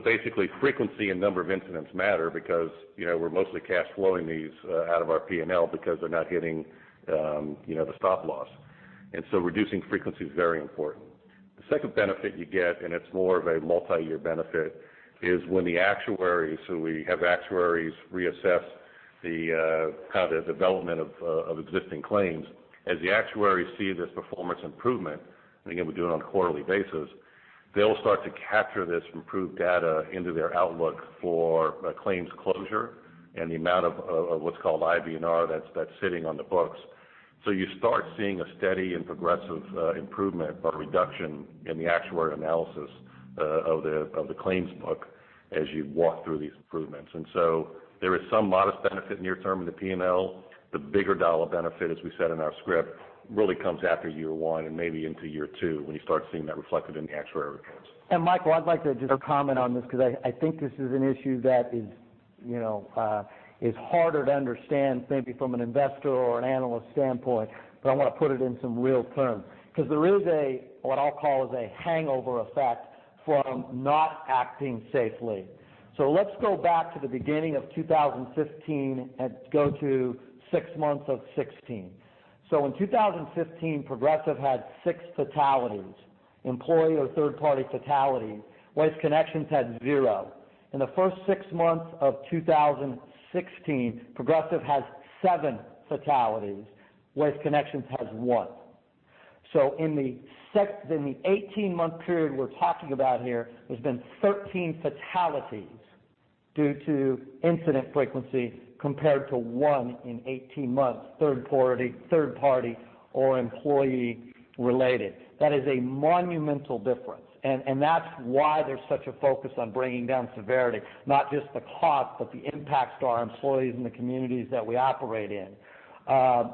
C: Basically, frequency and number of incidents matter because we're mostly cash flowing these out of our P&L because they're not hitting the stop loss. Reducing frequency is very important. The second benefit you get, and it's more of a multi-year benefit, is when the actuaries reassess the development of existing claims. As the actuaries see this performance improvement, and again, we do it on a quarterly basis, they'll start to capture this improved data into their outlook for claims closure and the amount of what's called IBNR that's sitting on the books. You start seeing a steady and progressive improvement or reduction in the actuary analysis of the claims book as you walk through these improvements. There is some modest benefit near term in the P&L. The bigger dollar benefit, as we said in our script, really comes after year one and maybe into year two, when you start seeing that reflected in the actuary reports.
B: Michael, I'd like to just comment on this because I think this is an issue that is harder to understand maybe from an investor or an analyst standpoint, but I want to put it in some real terms. There is a, what I'll call, is a hangover effect from not acting safely. Let's go back to the beginning of 2015 and go to six months of 2016. In 2015, Progressive had six fatalities, employee or third-party fatality. Waste Connections had zero. In the first six months of 2016, Progressive has seven fatalities. Waste Connections has one. In the 18-month period we're talking about here, there's been 13 fatalities due to incident frequency compared to one in 18 months, third party or employee related. That is a monumental difference. That's why there's such a focus on bringing down severity, not just the cost, but the impact to our employees and the communities that we operate in. My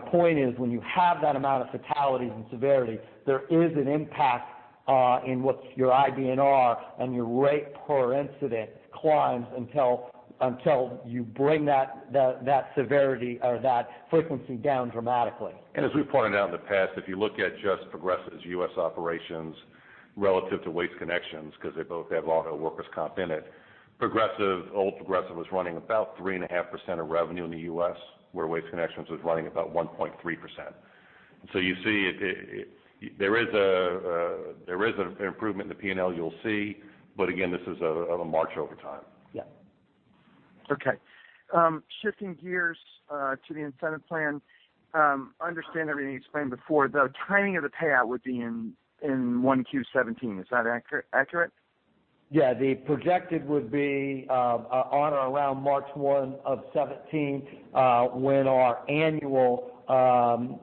B: point is, when you have that amount of fatalities and severity, there is an impact in what your IBNR and your rate per incident climbs until you bring that severity or that frequency down dramatically.
C: As we pointed out in the past, if you look at just Progressive's U.S. operations relative to Waste Connections, because they both have auto workers' comp in it, old Progressive was running about 3.5% of revenue in the U.S., where Waste Connections was running about 1.3%. You see there is an improvement in the P&L you'll see, but again, this is a march over time.
B: Yeah.
H: Okay. Shifting gears to the incentive plan. Understand everything you explained before, the timing of the payout would be in Q1 2017. Is that accurate?
B: Yeah. The projected would be on or around March 1 of 2017, when our annual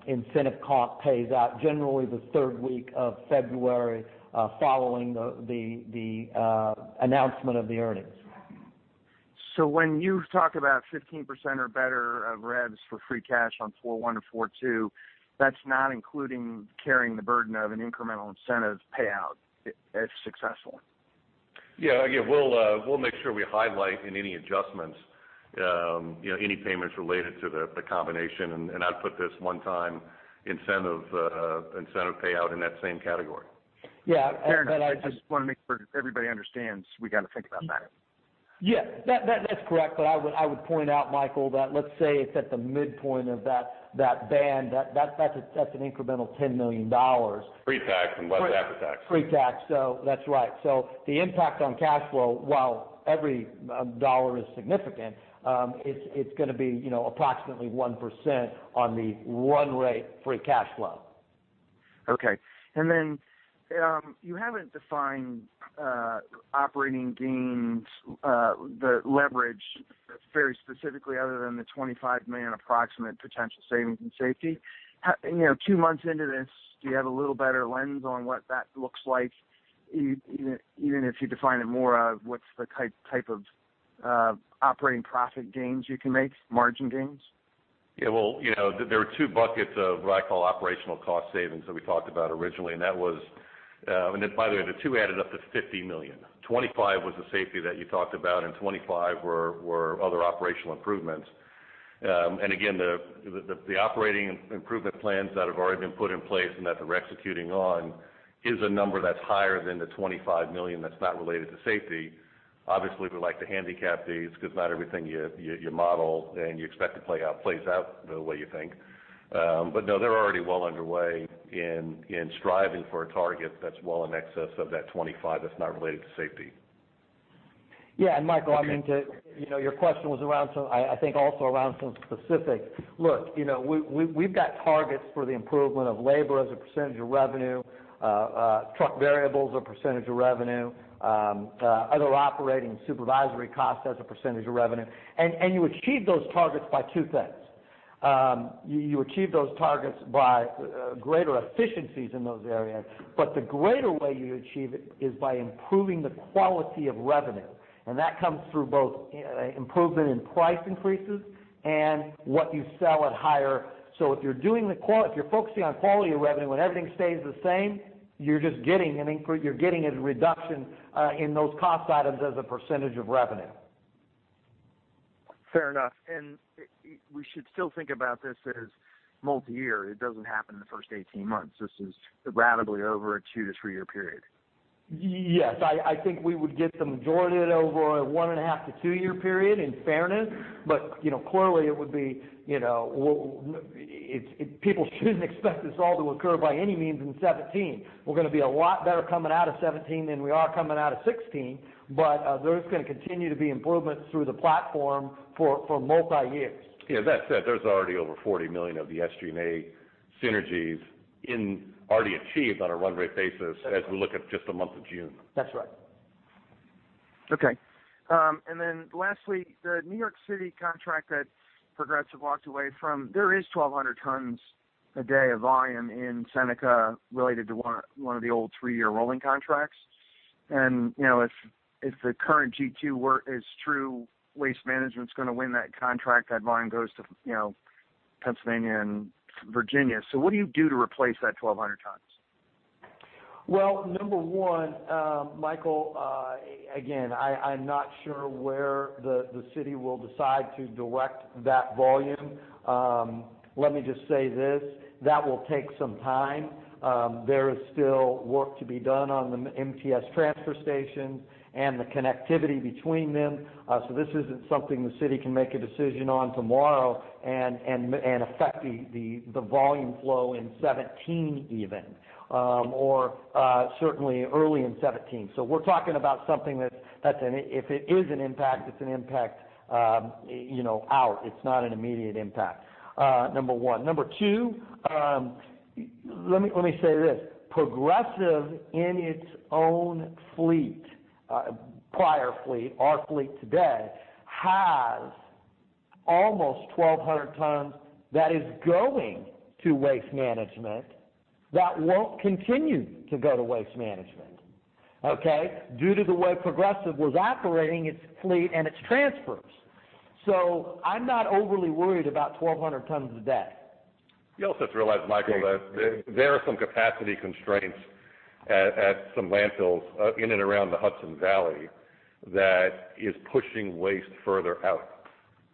B: incentive comp pays out, generally the third week of February, following the announcement of the earnings.
H: When you talk about 15% or better of revs for free cash on 4.1 or 4.2, that's not including carrying the burden of an incremental incentive payout if successful.
C: Yeah. We'll make sure we highlight in any adjustments any payments related to the combination, and I'd put this one-time incentive payout in that same category.
B: Yeah.
H: I just want to make sure everybody understands we got to think about that.
B: Yeah. That's correct. I would point out, Michael, that let's say it's at the midpoint of that band, that's an incremental $10 million.
C: Pre-tax and less after-tax.
B: Pre-tax. That's right. The impact on cash flow, while every $1 is significant, it's going to be approximately 1% on the run rate free cash flow.
H: Okay. You haven't defined operating gains, the leverage very specifically other than the $25 million approximate potential savings and safety. Two months into this, do you have a little better lens on what that looks like? Even if you define it more of what's the type of operating profit gains you can make, margin gains?
C: Yeah. There were two buckets of what I call operational cost savings that we talked about originally. By the way, the two added up to $50 million. 25 was the safety that you talked about, and 25 were other operational improvements. Again, the operating improvement plans that have already been put in place and that they're executing on is a number that's higher than the $25 million that's not related to safety. Obviously, we like to handicap these because not everything you model and you expect to play out, plays out the way you think. No, they're already well underway in striving for a target that's well in excess of that 25 that's not related to safety.
B: Yeah. Michael, your question was I think also around some specifics. Look, we've got targets for the improvement of labor as a percentage of revenue, truck variables or percentage of revenue, other operating supervisory costs as a percentage of revenue. You achieve those targets by two things. You achieve those targets by greater efficiencies in those areas. The greater way you achieve it is by improving the quality of revenue. That comes through both improvement in price increases and what you sell at higher. If you're focusing on quality of revenue when everything stays the same, you're just getting a reduction in those cost items as a percentage of revenue.
H: Fair enough. We should still think about this as multi-year. It doesn't happen in the first 18 months. This is ratably over a two to three-year period.
B: Yes. I think we would get the majority of it over a one and a half to two-year period in fairness. Clearly people shouldn't expect this all to occur by any means in 2017. We're going to be a lot better coming out of 2017 than we are coming out of 2016, there's going to continue to be improvements through the platform for multi-years.
C: Yeah. That said, there's already over $40 million of the SG&A synergies already achieved on a run rate basis as we look at just the month of June.
B: That's right.
H: Lastly, the New York City contract that Progressive walked away from, there is 1,200 tons a day of volume in Seneca related to one of the old three-year rolling contracts. If the current [GQ] is true, Waste Management's going to win that contract, that volume goes to Pennsylvania and Virginia. What do you do to replace that 1,200 tons?
B: Well, number one, Michael, again, I'm not sure where the city will decide to direct that volume. Let me just say this, that will take some time. There is still work to be done on the MTS transfer station and the connectivity between them. This isn't something the city can make a decision on tomorrow and affect the volume flow in 2017 even, or certainly early in 2017. We're talking about something that, if it is an impact, it's an impact out. It's not an immediate impact, number one. Number two, let me say this. Progressive in its own fleet, prior fleet, our fleet today, has almost 1,200 tons that is going to Waste Management that won't continue to go to Waste Management, okay? Due to the way Progressive was operating its fleet and its transfers. I'm not overly worried about 1,200 tons a day.
C: You also have to realize, Michael, that there are some capacity constraints at some landfills in and around the Hudson Valley that is pushing waste further out.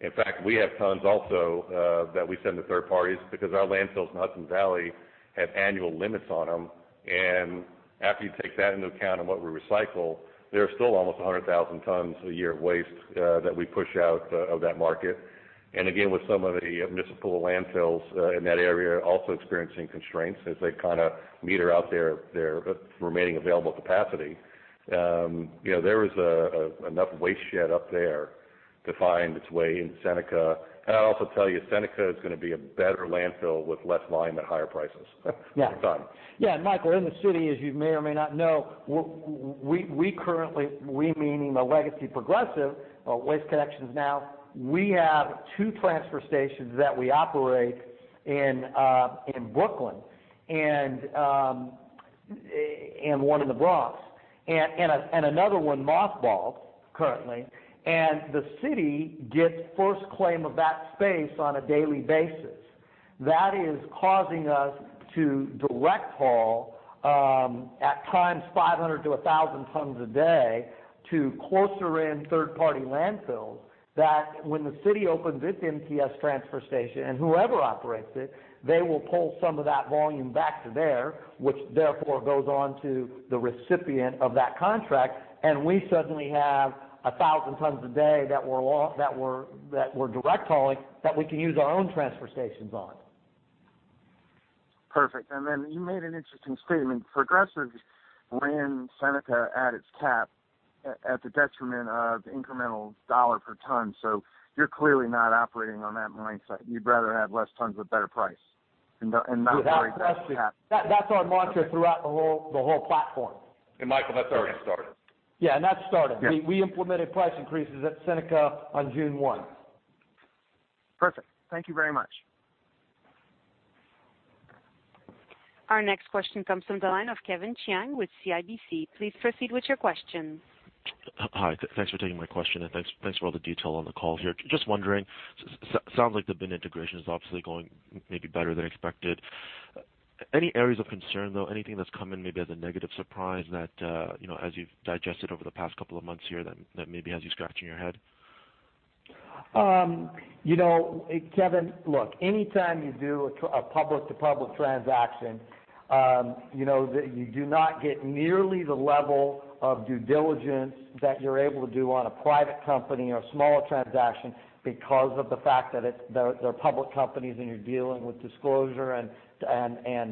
C: In fact, we have tons also that we send to third parties because our landfills in the Hudson Valley have annual limits on them. After you take that into account and what we recycle, there are still almost 100,000 tons a year of waste that we push out of that market. Again, with some of the municipal landfills in that area also experiencing constraints as they kind of meter out their remaining available capacity. There is enough waste shed up there to find its way into Seneca. I'd also tell you, Seneca is going to be a better landfill with less volume at higher prices.
B: Yeah.
C: That's all.
B: Michael, in the city, as you may or may not know, we currently, we meaning the legacy Progressive Waste Connections now, we have 2 transfer stations that we operate in Brooklyn and 1 in the Bronx. Another 1 mothballed currently, the city gets first claim of that space on a daily basis. That is causing us to direct haul, at times 500-1,000 tons a day, to closer in third-party landfills, that when the city opens its MTS transfer station and whoever operates it, they will pull some of that volume back to there, which therefore goes on to the recipient of that contract. We suddenly have 1,000 tons a day that we're direct hauling that we can use our own transfer stations on.
H: Perfect. You made an interesting statement. Progressive Waste ran Seneca at its cap at the detriment of incremental dollar per ton. You're clearly not operating on that mindset. You'd rather have less tons with better price and not worry about the cap.
B: That's our mantra throughout the whole platform.
C: Michael, that's already started.
B: Yeah, that's started.
C: Yeah.
B: We implemented price increases at Seneca on June 1.
H: Perfect. Thank you very much.
A: Our next question comes from the line of Kevin Chiang with CIBC. Please proceed with your question.
I: Hi. Thanks for taking my question. Thanks for all the detail on the call here. Just wondering, sounds like the BIN integration is obviously going maybe better than expected. Any areas of concern, though? Anything that's come in maybe as a negative surprise that, as you've digested over the past couple of months here, that maybe has you scratching your head?
B: Kevin, look, anytime you do a public-to-public transaction, you do not get nearly the level of due diligence that you're able to do on a private company or smaller transaction because of the fact that they're public companies, and you're dealing with disclosure and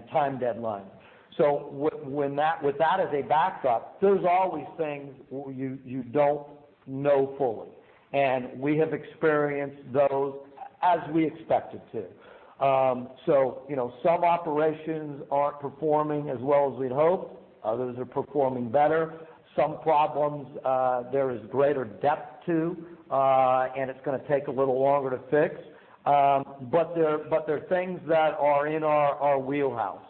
B: time deadlines. With that as a backdrop, there's always things you don't know fully. We have experienced those as we expected to. Some operations aren't performing as well as we'd hoped. Others are performing better. Some problems, there is greater depth to, and it's going to take a little longer to fix. They're things that are in our wheelhouse.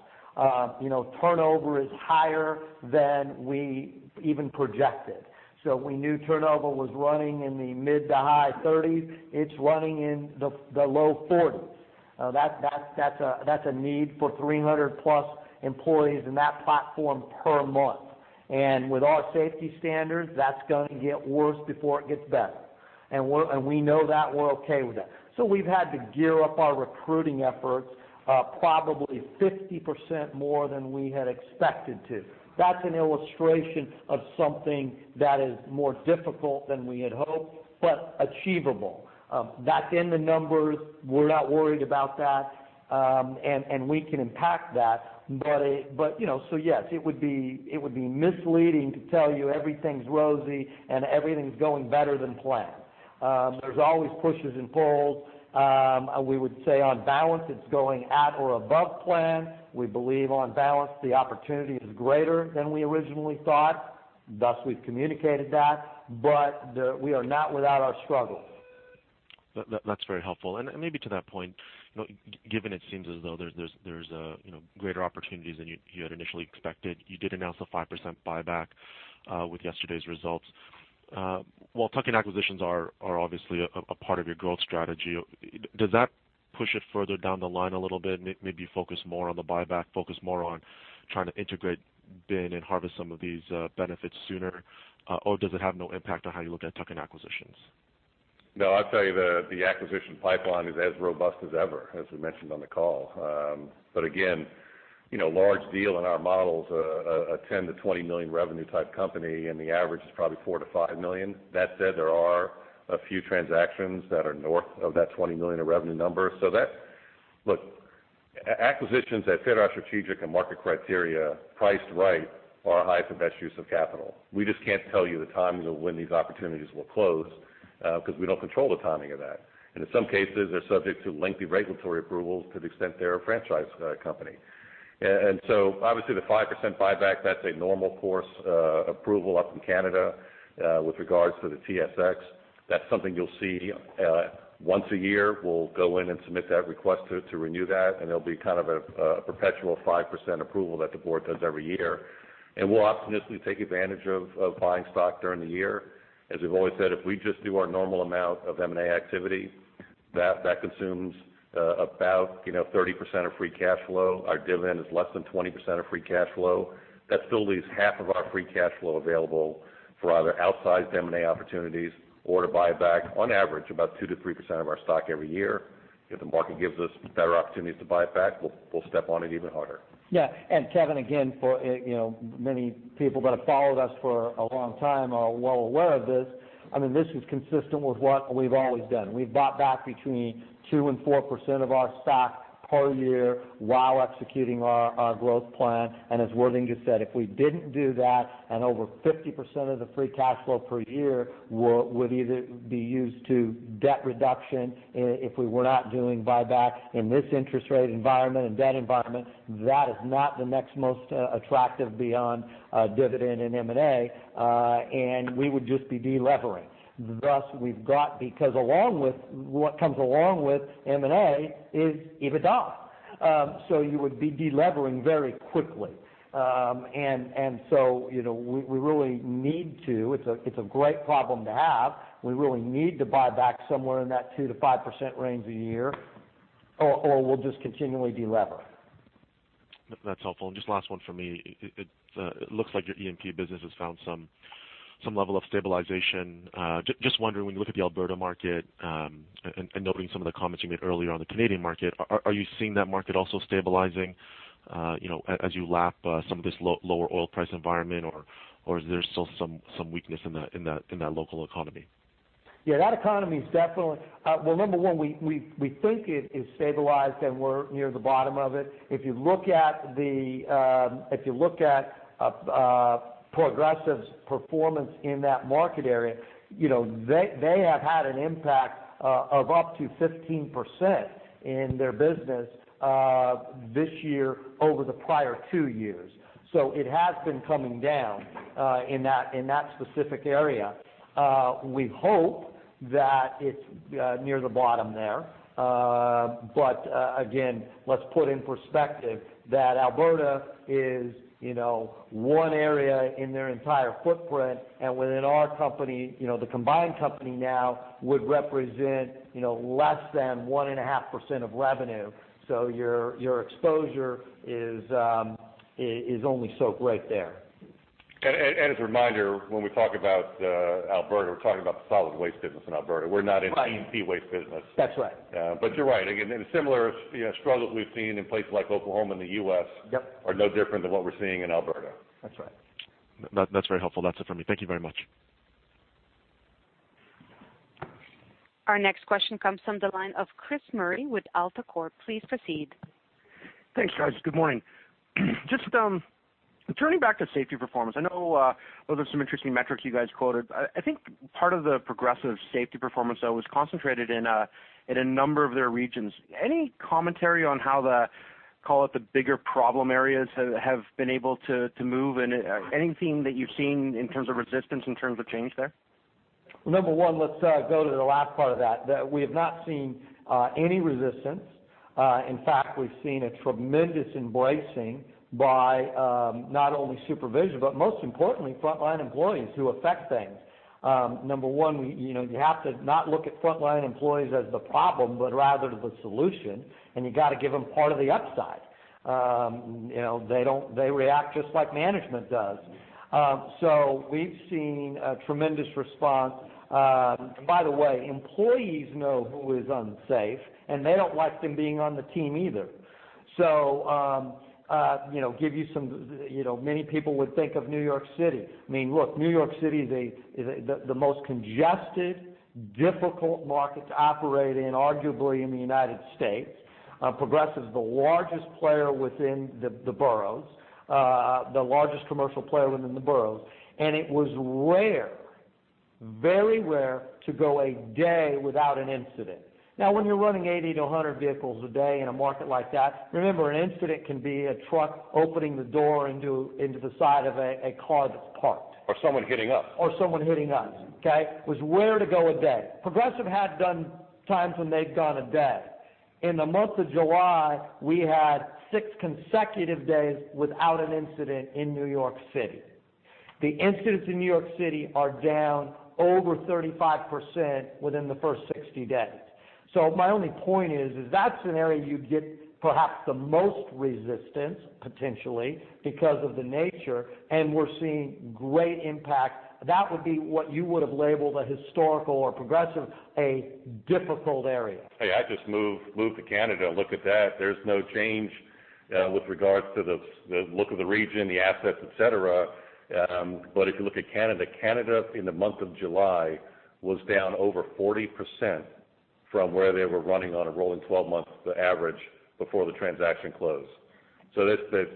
B: Turnover is higher than we even projected. We knew turnover was running in the mid to high 30s. It's running in the low 40s. That's a need for 300-plus employees in that platform per month. With our safety standards, that's going to get worse before it gets better. We know that, and we're okay with that. We've had to gear up our recruiting efforts, probably 50% more than we had expected to. That's an illustration of something that is more difficult than we had hoped, but achievable. That's in the numbers. We're not worried about that. We can impact that. Yes, it would be misleading to tell you everything's rosy and everything's going better than planned. There's always pushes and pulls. We would say on balance, it's going at or above plan. We believe on balance, the opportunity is greater than we originally thought, thus we've communicated that. We are not without our struggles.
I: That's very helpful. Maybe to that point, given it seems as though there's greater opportunities than you had initially expected, you did announce a 5% buyback with yesterday's results. While tuck-in acquisitions are obviously a part of your growth strategy, does that push it further down the line a little bit, maybe focus more on the buyback, focus more on trying to integrate BIN and harvest some of these benefits sooner, or does it have no impact on how you look at tuck-in acquisitions?
C: The acquisition pipeline is as robust as ever, as we mentioned on the call. Again, large deal in our models, a $10 million-$20 million revenue type company, and the average is probably $4 million-$5 million. That said, there are a few transactions that are north of that $20 million in revenue number. Acquisitions that fit our strategic and market criteria priced right are our highest and best use of capital. We just can't tell you the timing of when these opportunities will close, because we don't control the timing of that. In some cases, they're subject to lengthy regulatory approvals to the extent they're a franchise company. So obviously the 5% buyback, that's a normal course approval up in Canada with regards to the TSX. That's something you'll see once a year. We'll go in and submit that request to renew that, and it'll be a perpetual 5% approval that the board does every year. We'll opportunistically take advantage of buying stock during the year. As we've always said, if we just do our normal amount of M&A activity, that consumes about 30% of free cash flow. Our dividend is less than 20% of free cash flow. That still leaves half of our free cash flow available for either outsized M&A opportunities or to buy back on average about 2%-3% of our stock every year. If the market gives us better opportunities to buy it back, we'll step on it even harder.
B: Kevin, again, for many people that have followed us for a long time are well aware of this is consistent with what we've always done. We've bought back between 2% and 4% of our stock per year while executing our growth plan. As Worthing just said, if we didn't do that, over 50% of the free cash flow per year would either be used to debt reduction if we were not doing buyback in this interest rate environment and debt environment, that is not the next most attractive beyond dividend and M&A, and we would just be de-levering. Thus, we've got because what comes along with M&A is EBITDA. You would be de-levering very quickly. We really need to. It's a great problem to have. We really need to buy back somewhere in that 2%-5% range a year or we'll just continually de-lever.
I: That's helpful. Just last one for me. It looks like your E&P business has found some level of stabilization. Just wondering, when you look at the Alberta market, and noting some of the comments you made earlier on the Canadian market, are you seeing that market also stabilizing as you lap some of this lower oil price environment, or is there still some weakness in that local economy?
B: That economy is definitely Well, number 1, we think it is stabilized, and we're near the bottom of it. If you look at Progressive's performance in that market area, they have had an impact of up to 15% in their business this year over the prior two years. It has been coming down in that specific area. We hope that it's near the bottom there. Again, let's put in perspective that Alberta is one area in their entire footprint, and within our company, the combined company now would represent less than 1.5% of revenue. Your exposure is only so great there.
C: As a reminder, when we talk about Alberta, we're talking about the solid waste business in Alberta. We're not in E&P waste business.
B: That's right.
C: You're right. Again, similar struggles we've seen in places like Oklahoma and the U.S.-
B: Yep
C: are no different than what we're seeing in Alberta.
B: That's right.
I: That's very helpful. That's it for me. Thank you very much.
A: Our next question comes from the line of Chris Murray with AltaCorp. Please proceed.
J: Thanks, guys. Good morning. Just turning back to safety performance, I know those are some interesting metrics you guys quoted. I think part of the Progressive safety performance though was concentrated in a number of their regions. Any commentary on how the, call it, the bigger problem areas have been able to move, and anything that you've seen in terms of resistance in terms of change there?
B: Number one, let's go to the last part of that. We have not seen any resistance. In fact, we've seen a tremendous embracing by not only supervision, but most importantly, frontline employees who affect things. Number one, you have to not look at frontline employees as the problem, but rather the solution, and you got to give them part of the upside. They react just like management does. We've seen a tremendous response. By the way, employees know who is unsafe, and they don't like them being on the team either. Give you some, many people would think of New York City. I mean, look, New York City is the most congested, difficult market to operate in, arguably in the United States. Progressive is the largest player within the boroughs, the largest commercial player within the boroughs. It was rare. Very rare to go a day without an incident. When you're running 80 to 100 vehicles a day in a market like that, remember, an incident can be a truck opening the door into the side of a car that's parked.
C: Someone hitting us.
B: Someone hitting us. Okay? It was rare to go a day. Progressive had done times when they'd gone a day. In the month of July, we had six consecutive days without an incident in New York City. The incidents in New York City are down over 35% within the first 60 days. My only point is that's an area you'd get perhaps the most resistance, potentially, because of the nature, and we're seeing great impact. That would be what you would've labeled a historical or Progressive, a difficult area.
C: Hey, I'd just move to Canada. Look at that. There's no change with regards to the look of the region, the assets, et cetera. If you look at Canada in the month of July was down over 40% from where they were running on a rolling 12 months average before the transaction closed.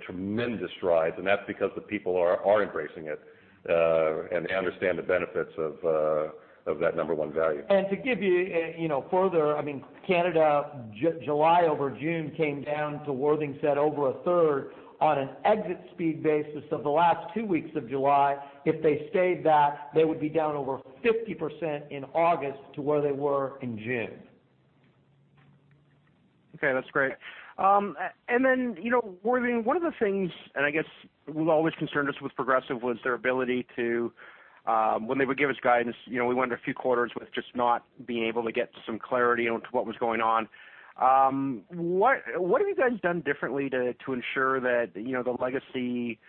C: Tremendous strides, and that's because the people are embracing it, and they understand the benefits of that number one value.
B: To give you further, Canada, July over June came down to Worthing said, over a third on an exit speed basis of the last two weeks of July. If they stayed that, they would be down over 50% in August to where they were in June.
J: Okay, that's great. Worthing, one of the things, and I guess what always concerned us with Progressive was their ability to, when they would give us guidance, we went a few quarters with just not being able to get some clarity onto what was going on. What have you guys done differently to ensure that the legacy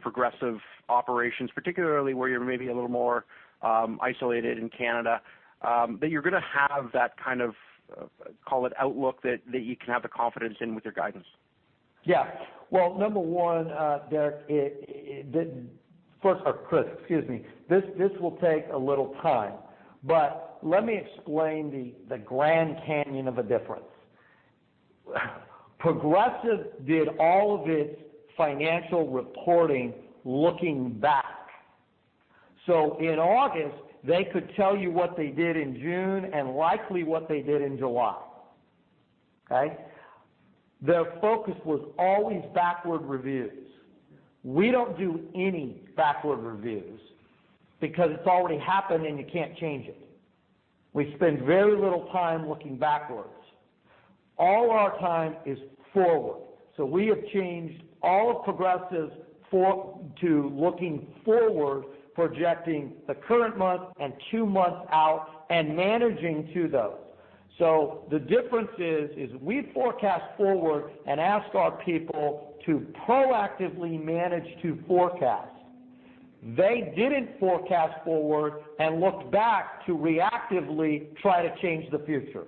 J: Progressive operations, particularly where you're maybe a little more isolated in Canada, that you're going to have that kind of, call it outlook, that you can have the confidence in with your guidance?
B: Yeah. Well, number one, Derek. Chris, excuse me. This will take a little time, let me explain the Grand Canyon of a difference. Progressive did all of its financial reporting looking back. In August, they could tell you what they did in June and likely what they did in July. Their focus was always backward reviews. We don't do any backward reviews because it's already happened and you can't change it. We spend very little time looking backwards. All our time is forward. We have changed all of Progressive to looking forward, projecting the current month and two months out and managing to those. The difference is, we forecast forward and ask our people to proactively manage to forecast. They didn't forecast forward and looked back to reactively try to change the future.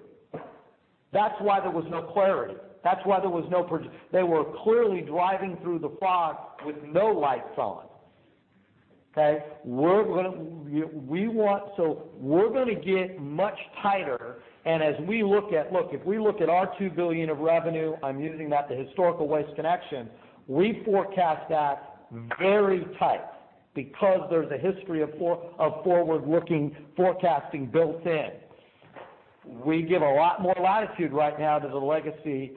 B: That's why there was no clarity. That's why there was no. They were clearly driving through the fog with no lights on. We're going to get much tighter, as we look at our $2 billion of revenue, I'm using that, the historical Waste Connections, we forecast that very tight because there's a history of forward-looking forecasting built in. We give a lot more latitude right now to the legacy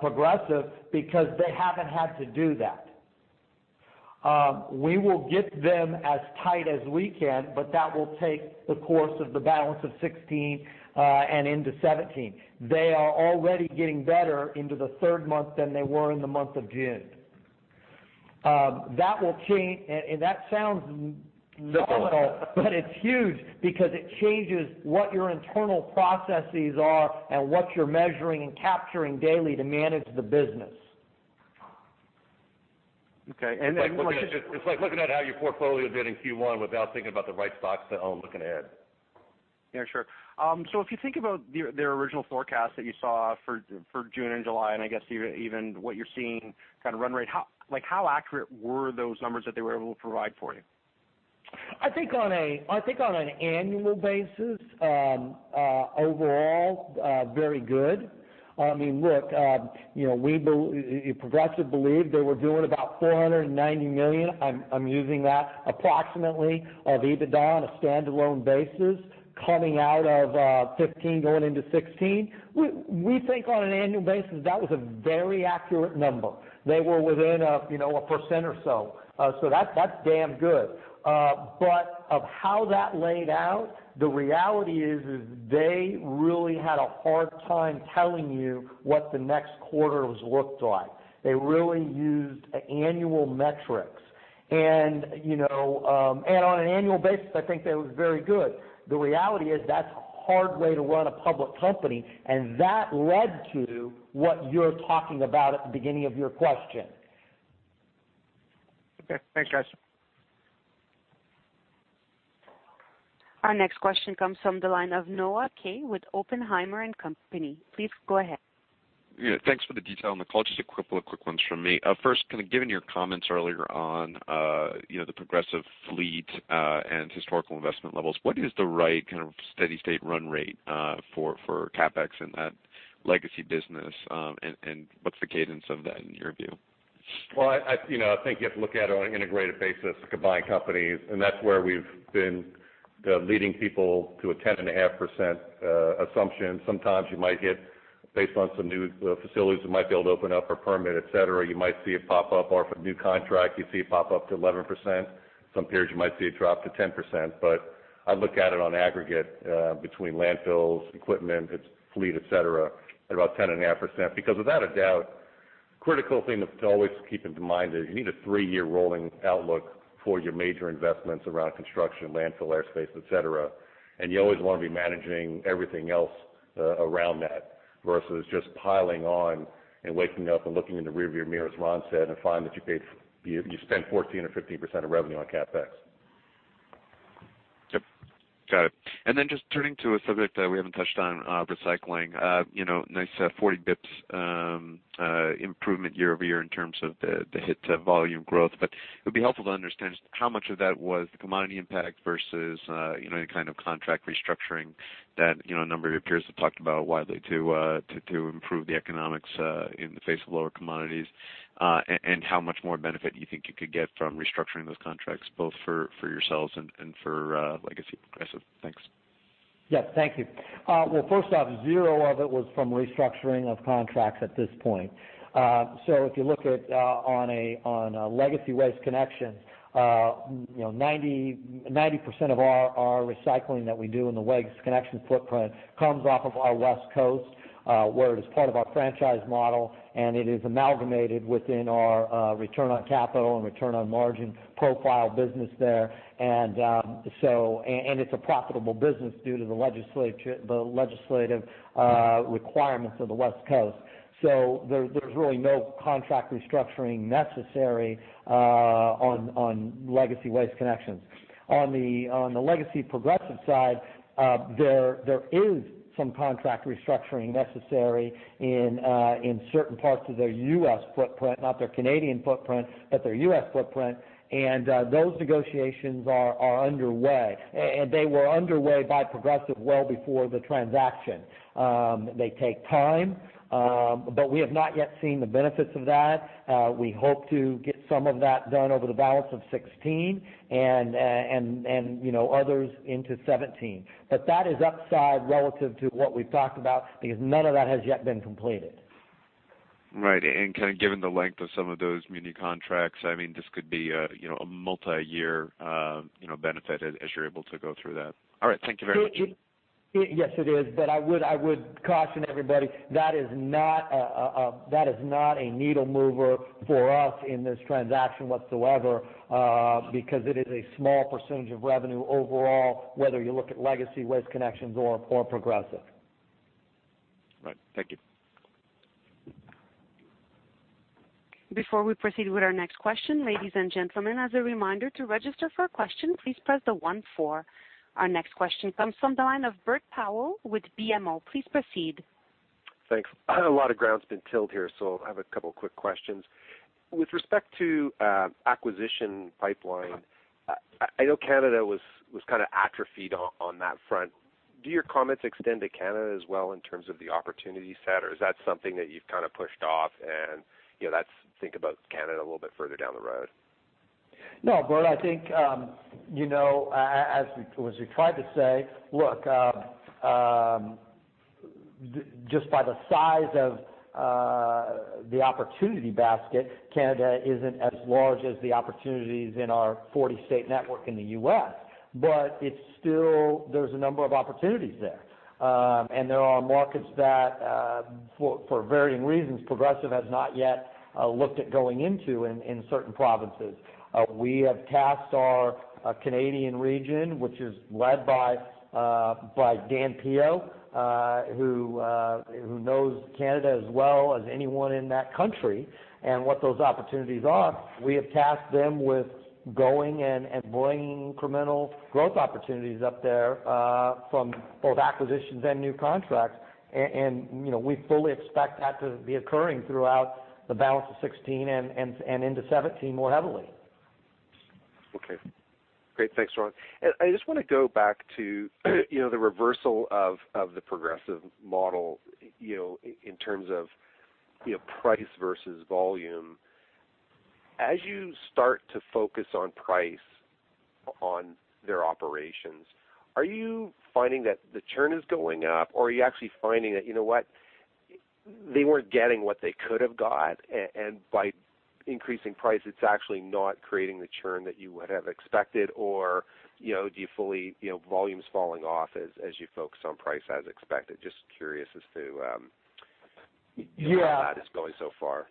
B: Progressive because they haven't had to do that. We will get them as tight as we can, that will take the course of the balance of 2016, into 2017. They are already getting better into the third month than they were in the month of June. That will change, that sounds nominal, it's huge because it changes what your internal processes are and what you're measuring and capturing daily to manage the business.
J: Okay.
C: It's like looking at how your portfolio did in Q1 without thinking about the right stocks to own looking ahead.
J: Yeah, sure. If you think about their original forecast that you saw for June and July, and I guess even what you're seeing kind of run rate, how accurate were those numbers that they were able to provide for you?
B: I think on an annual basis, overall, very good. Progressive believed they were doing about $490 million. I'm using that approximately of EBITDA on a standalone basis coming out of 2015 going into 2016. We think on an annual basis, that was a very accurate number. They were within a percent or so. That's damn good. Of how that laid out, the reality is they really had a hard time telling you what the next quarter looked like. They really used annual metrics. On an annual basis, I think that was very good. The reality is that's a hard way to run a public company, and that led to what you're talking about at the beginning of your question.
J: Okay. Thanks, guys.
A: Our next question comes from the line of Noah Kaye with Oppenheimer & Co. Please go ahead.
K: Yeah. Thanks for the detail on the call. Just a couple of quick ones from me. First, kind of given your comments earlier on the Progressive fleet, and historical investment levels, what is the right kind of steady state run rate for CapEx in that legacy business? What's the cadence of that in your view?
C: Well, I think you have to look at it on an integrated basis, combined companies, and that's where we've been leading people to a 10.5% assumption. Sometimes you might get, based on some new facilities that might be able to open up or permit, et cetera, you might see it pop up, or if a new contract, you see it pop up to 11%. Some periods you might see it drop to 10%, but I look at it on aggregate between landfills, equipment, its fleet, et cetera, at about 10.5%. Critical thing to always keep in mind is you need a three-year rolling outlook for your major investments around construction, landfill airspace, et cetera, and you always want to be managing everything else around that, versus just piling on and waking up and looking in the rearview mirror, as Ron said, and find that you spent 14% or 15% of revenue on CapEx.
K: Yep. Got it. Then just turning to a subject that we haven't touched on, recycling. Nice 40 basis points improvement year-over-year in terms of the hit to volume growth. It would be helpful to understand just how much of that was the commodity impact versus any kind of contract restructuring that a number of your peers have talked about widely to improve the economics in the face of lower commodities. How much more benefit do you think you could get from restructuring those contracts, both for yourselves and for legacy Progressive? Thanks.
B: Yes. Thank you. First off, zero of it was from restructuring of contracts at this point. If you look at on a legacy Waste Connections, 90% of our recycling that we do in the Waste Connections footprint comes off of our West Coast, where it is part of our franchise model, and it is amalgamated within our return on capital and return on margin profile business there. It's a profitable business due to the legislative requirements of the West Coast. There's really no contract restructuring necessary on legacy Waste Connections. On the legacy Progressive side, there is some contract restructuring necessary in certain parts of their U.S. footprint, not their Canadian footprint, but their U.S. footprint, and those negotiations are underway. They were underway by Progressive well before the transaction. They take time, but we have not yet seen the benefits of that. We hope to get some of that done over the balance of 2016 and others into 2017. That is upside relative to what we've talked about, because none of that has yet been completed.
K: Right. kind of given the length of some of those mini contracts, this could be a multi-year benefit as you're able to go through that. All right. Thank you very much.
B: Yes, it is. I would caution everybody, that is not a needle mover for us in this transaction whatsoever, because it is a small percentage of revenue overall, whether you look at legacy Waste Connections or Progressive.
K: Right. Thank you.
A: Before we proceed with our next question, ladies and gentlemen, as a reminder, to register for a question, please press the one four. Our next question comes from the line of Bert Powell with BMO. Please proceed.
L: Thanks. A lot of ground's been tilled here. I have a couple quick questions. With respect to acquisition pipeline, I know Canada was kind of atrophied on that front. Do your comments extend to Canada as well in terms of the opportunity set, or is that something that you've kind of pushed off and let's think about Canada a little bit further down the road?
B: No, Bert, I think, as we tried to say, look, just by the size of the opportunity basket, Canada isn't as large as the opportunities in our 40-state network in the U.S. There's a number of opportunities there. There are markets that, for varying reasons, Progressive has not yet looked at going into in certain provinces. We have tasked our Canadian region, which is led by Dan Pio, who knows Canada as well as anyone in that country and what those opportunities are. We have tasked them with going and bringing incremental growth opportunities up there from both acquisitions and new contracts. We fully expect that to be occurring throughout the balance of 2016 and into 2017 more heavily.
L: Okay. Great. Thanks, Ron. I just want to go back to the reversal of the Progressive model, in terms of price versus volume. As you start to focus on price on their operations, are you finding that the churn is going up, or are you actually finding that you know what, they weren't getting what they could have got, and by increasing price, it's actually not creating the churn that you would have expected? Do you fully volumes falling off as you focus on price as expected? Just curious as to-
B: Yeah
L: how that is going so far.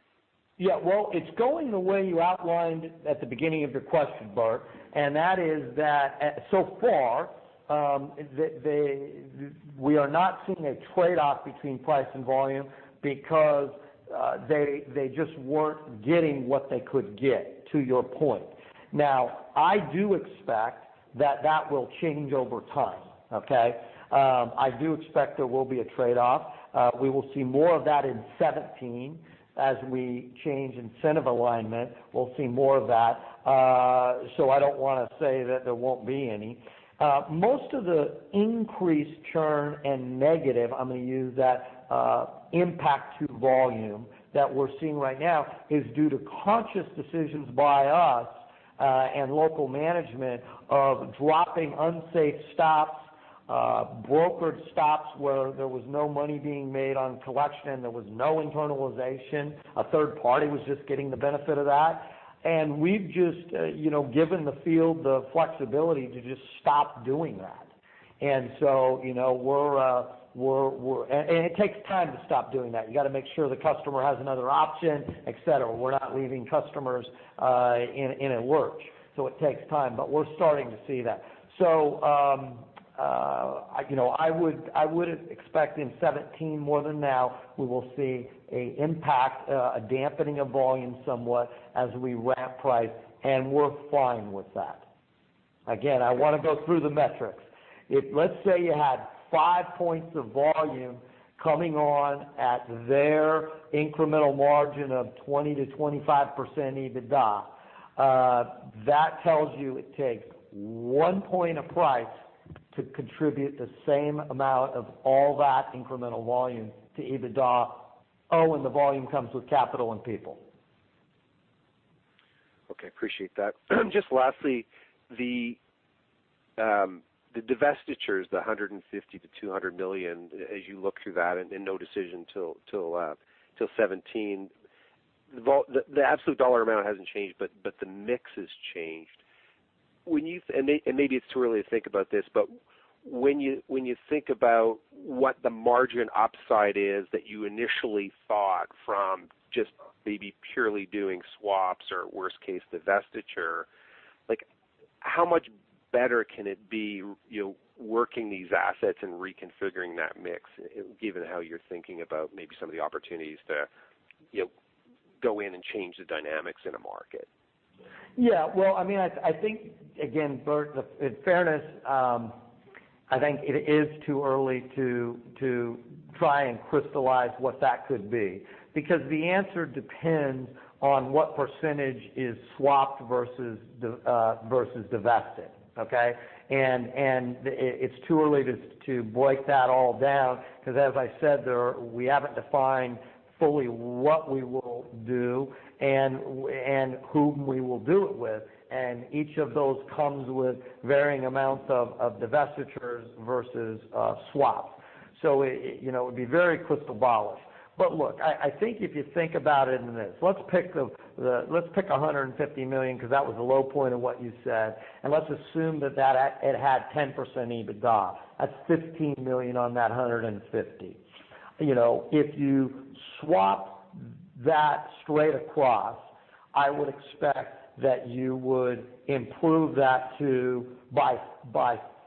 B: Yeah. Well, it's going the way you outlined at the beginning of your question, Bert, that is that so far, we are not seeing a trade-off between price and volume because they just weren't getting what they could get, to your point. I do expect that that will change over time, okay? I do expect there will be a trade-off. We will see more of that in 2017 as we change incentive alignment. We'll see more of that, so I don't want to say that there won't be any. Most of the increased churn and negative, I'm going to use that impact to volume that we're seeing right now is due to conscious decisions by us and local management of dropping unsafe stops, brokered stops, where there was no money being made on collection, there was no internalization. A third party was just getting the benefit of that. We've just given the field the flexibility to just stop doing that. It takes time to stop doing that. You got to make sure the customer has another option, et cetera. We're not leaving customers in a lurch, so it takes time, but we're starting to see that. I would expect in 2017, more than now, we will see an impact, a dampening of volume somewhat as we ramp price, and we're fine with that. Again, I want to go through the metrics. If, let's say, you had five points of volume coming on at their incremental margin of 20%-25% EBITDA. That tells you it takes one point of price to contribute the same amount of all that incremental volume to EBITDA. The volume comes with capital and people.
L: Okay. Appreciate that. Just lastly, the divestitures, the $150 million-$200 million, as you look through that, no decision till 2017. The absolute dollar amount hasn't changed, but the mix has changed. Maybe it's too early to think about this, but when you think about what the margin upside is that you initially thought from just maybe purely doing swaps or worst case, divestiture, how much better can it be working these assets and reconfiguring that mix, given how you're thinking about maybe some of the opportunities to go in and change the dynamics in a market?
B: Yeah. Well, I think, again, Bert, in fairness, I think it is too early to try and crystallize what that could be because the answer depends on what percentage is swapped versus divested. Okay? It's too early to break that all down because, as I said, we haven't defined fully what we will do and whom we will do it with. Each of those comes with varying amounts of divestitures versus swap. It would be very crystal ball-ish. Look, I think if you think about it in this. Let's pick $150 million because that was the low point of what you said, let's assume that it had 10% EBITDA. That's $15 million on that $150 million. If you swap that straight across, I would expect that you would improve that to by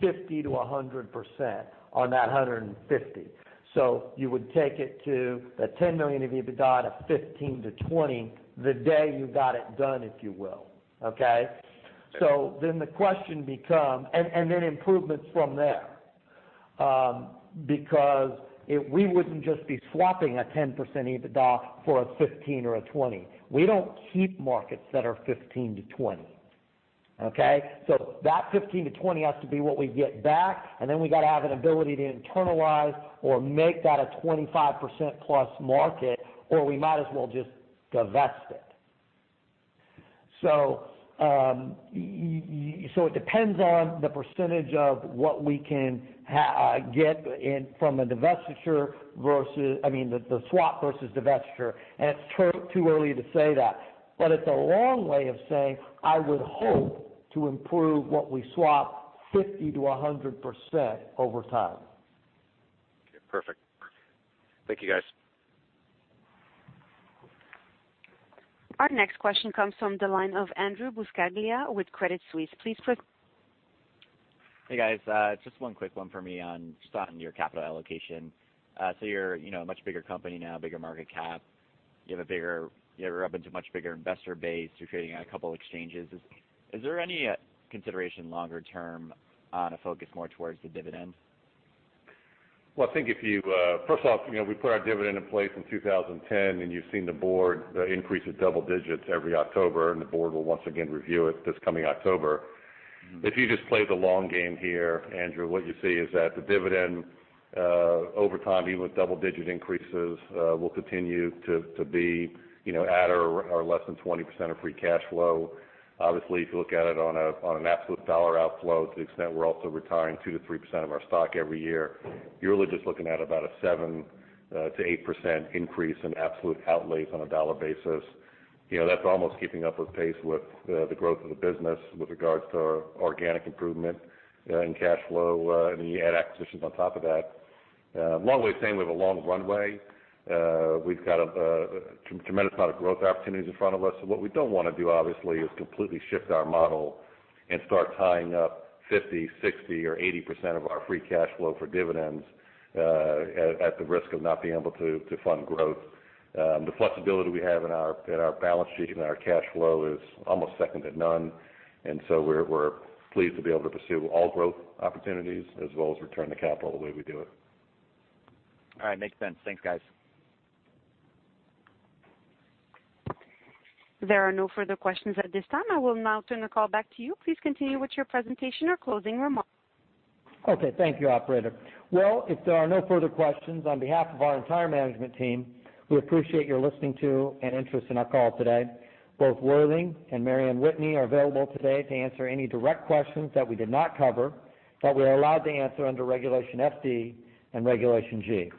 B: 50%-100% on that $150 million. You would take it to the $10 million of EBITDA to 15%-20% the day you got it done, if you will. Okay. Then improvements from there. If we wouldn't just be swapping a 10% EBITDA for a 15% or a 20%. We don't keep markets that are 15%-20%. Okay. That 15%-20% has to be what we get back, and then we got to have an ability to internalize or make that a 25%-plus market, or we might as well just divest it. It depends on the percentage of what we can get from a divestiture versus the swap versus divestiture, and it's too early to say that. It's a long way of saying, I would hope to improve what we swap 50%-100% over time.
L: Okay. Perfect. Thank you, guys.
A: Our next question comes from the line of Andrew Buscaglia with Credit Suisse. Please press.
M: Hey, guys. Just one quick one for me on your capital allocation. You're a much bigger company now, bigger market cap. You're up into much bigger investor base. You're trading at a couple exchanges. Is there any consideration longer term on a focus more towards the dividend?
B: First off, we put our dividend in place in 2010, and you've seen the board increase it double digits every October, and the board will once again review it this coming October. If you just play the long game here, Andrew, what you see is that the dividend, over time, even with double-digit increases, will continue to be at or less than 20% of free cash flow. Obviously, if you look at it on an absolute dollar outflow, to the extent we're also retiring 2%-3% of our stock every year, you're really just looking at about a 7%-8% increase in absolute outlays on a dollar basis. That's almost keeping up with pace with the growth of the business with regards to organic improvement in cash flow, and you add acquisitions on top of that. Long way of saying we have a long runway. We've got a tremendous amount of growth opportunities in front of us. What we don't want to do, obviously, is completely shift our model and start tying up 50%, 60%, or 80% of our free cash flow for dividends at the risk of not being able to fund growth. The flexibility we have in our balance sheet and our cash flow is almost second to none. We're pleased to be able to pursue all growth opportunities as well as return the capital the way we do it.
M: All right. Makes sense. Thanks, guys.
A: There are no further questions at this time. I will now turn the call back to you. Please continue with your presentation or closing remarks.
B: Okay. Thank you, operator. Well, if there are no further questions, on behalf of our entire management team, we appreciate your listening to and interest in our call today. Both Worthing and Mary Anne Whitney are available today to answer any direct questions that we did not cover, that we're allowed to answer under Regulation FD and Regulation G.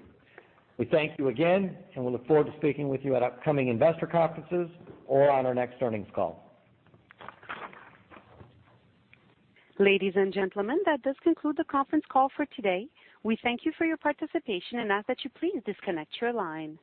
B: We thank you again, and we'll look forward to speaking with you at upcoming investor conferences or on our next earnings call.
A: Ladies and gentlemen, that does conclude the conference call for today. We thank you for your participation and ask that you please disconnect your line.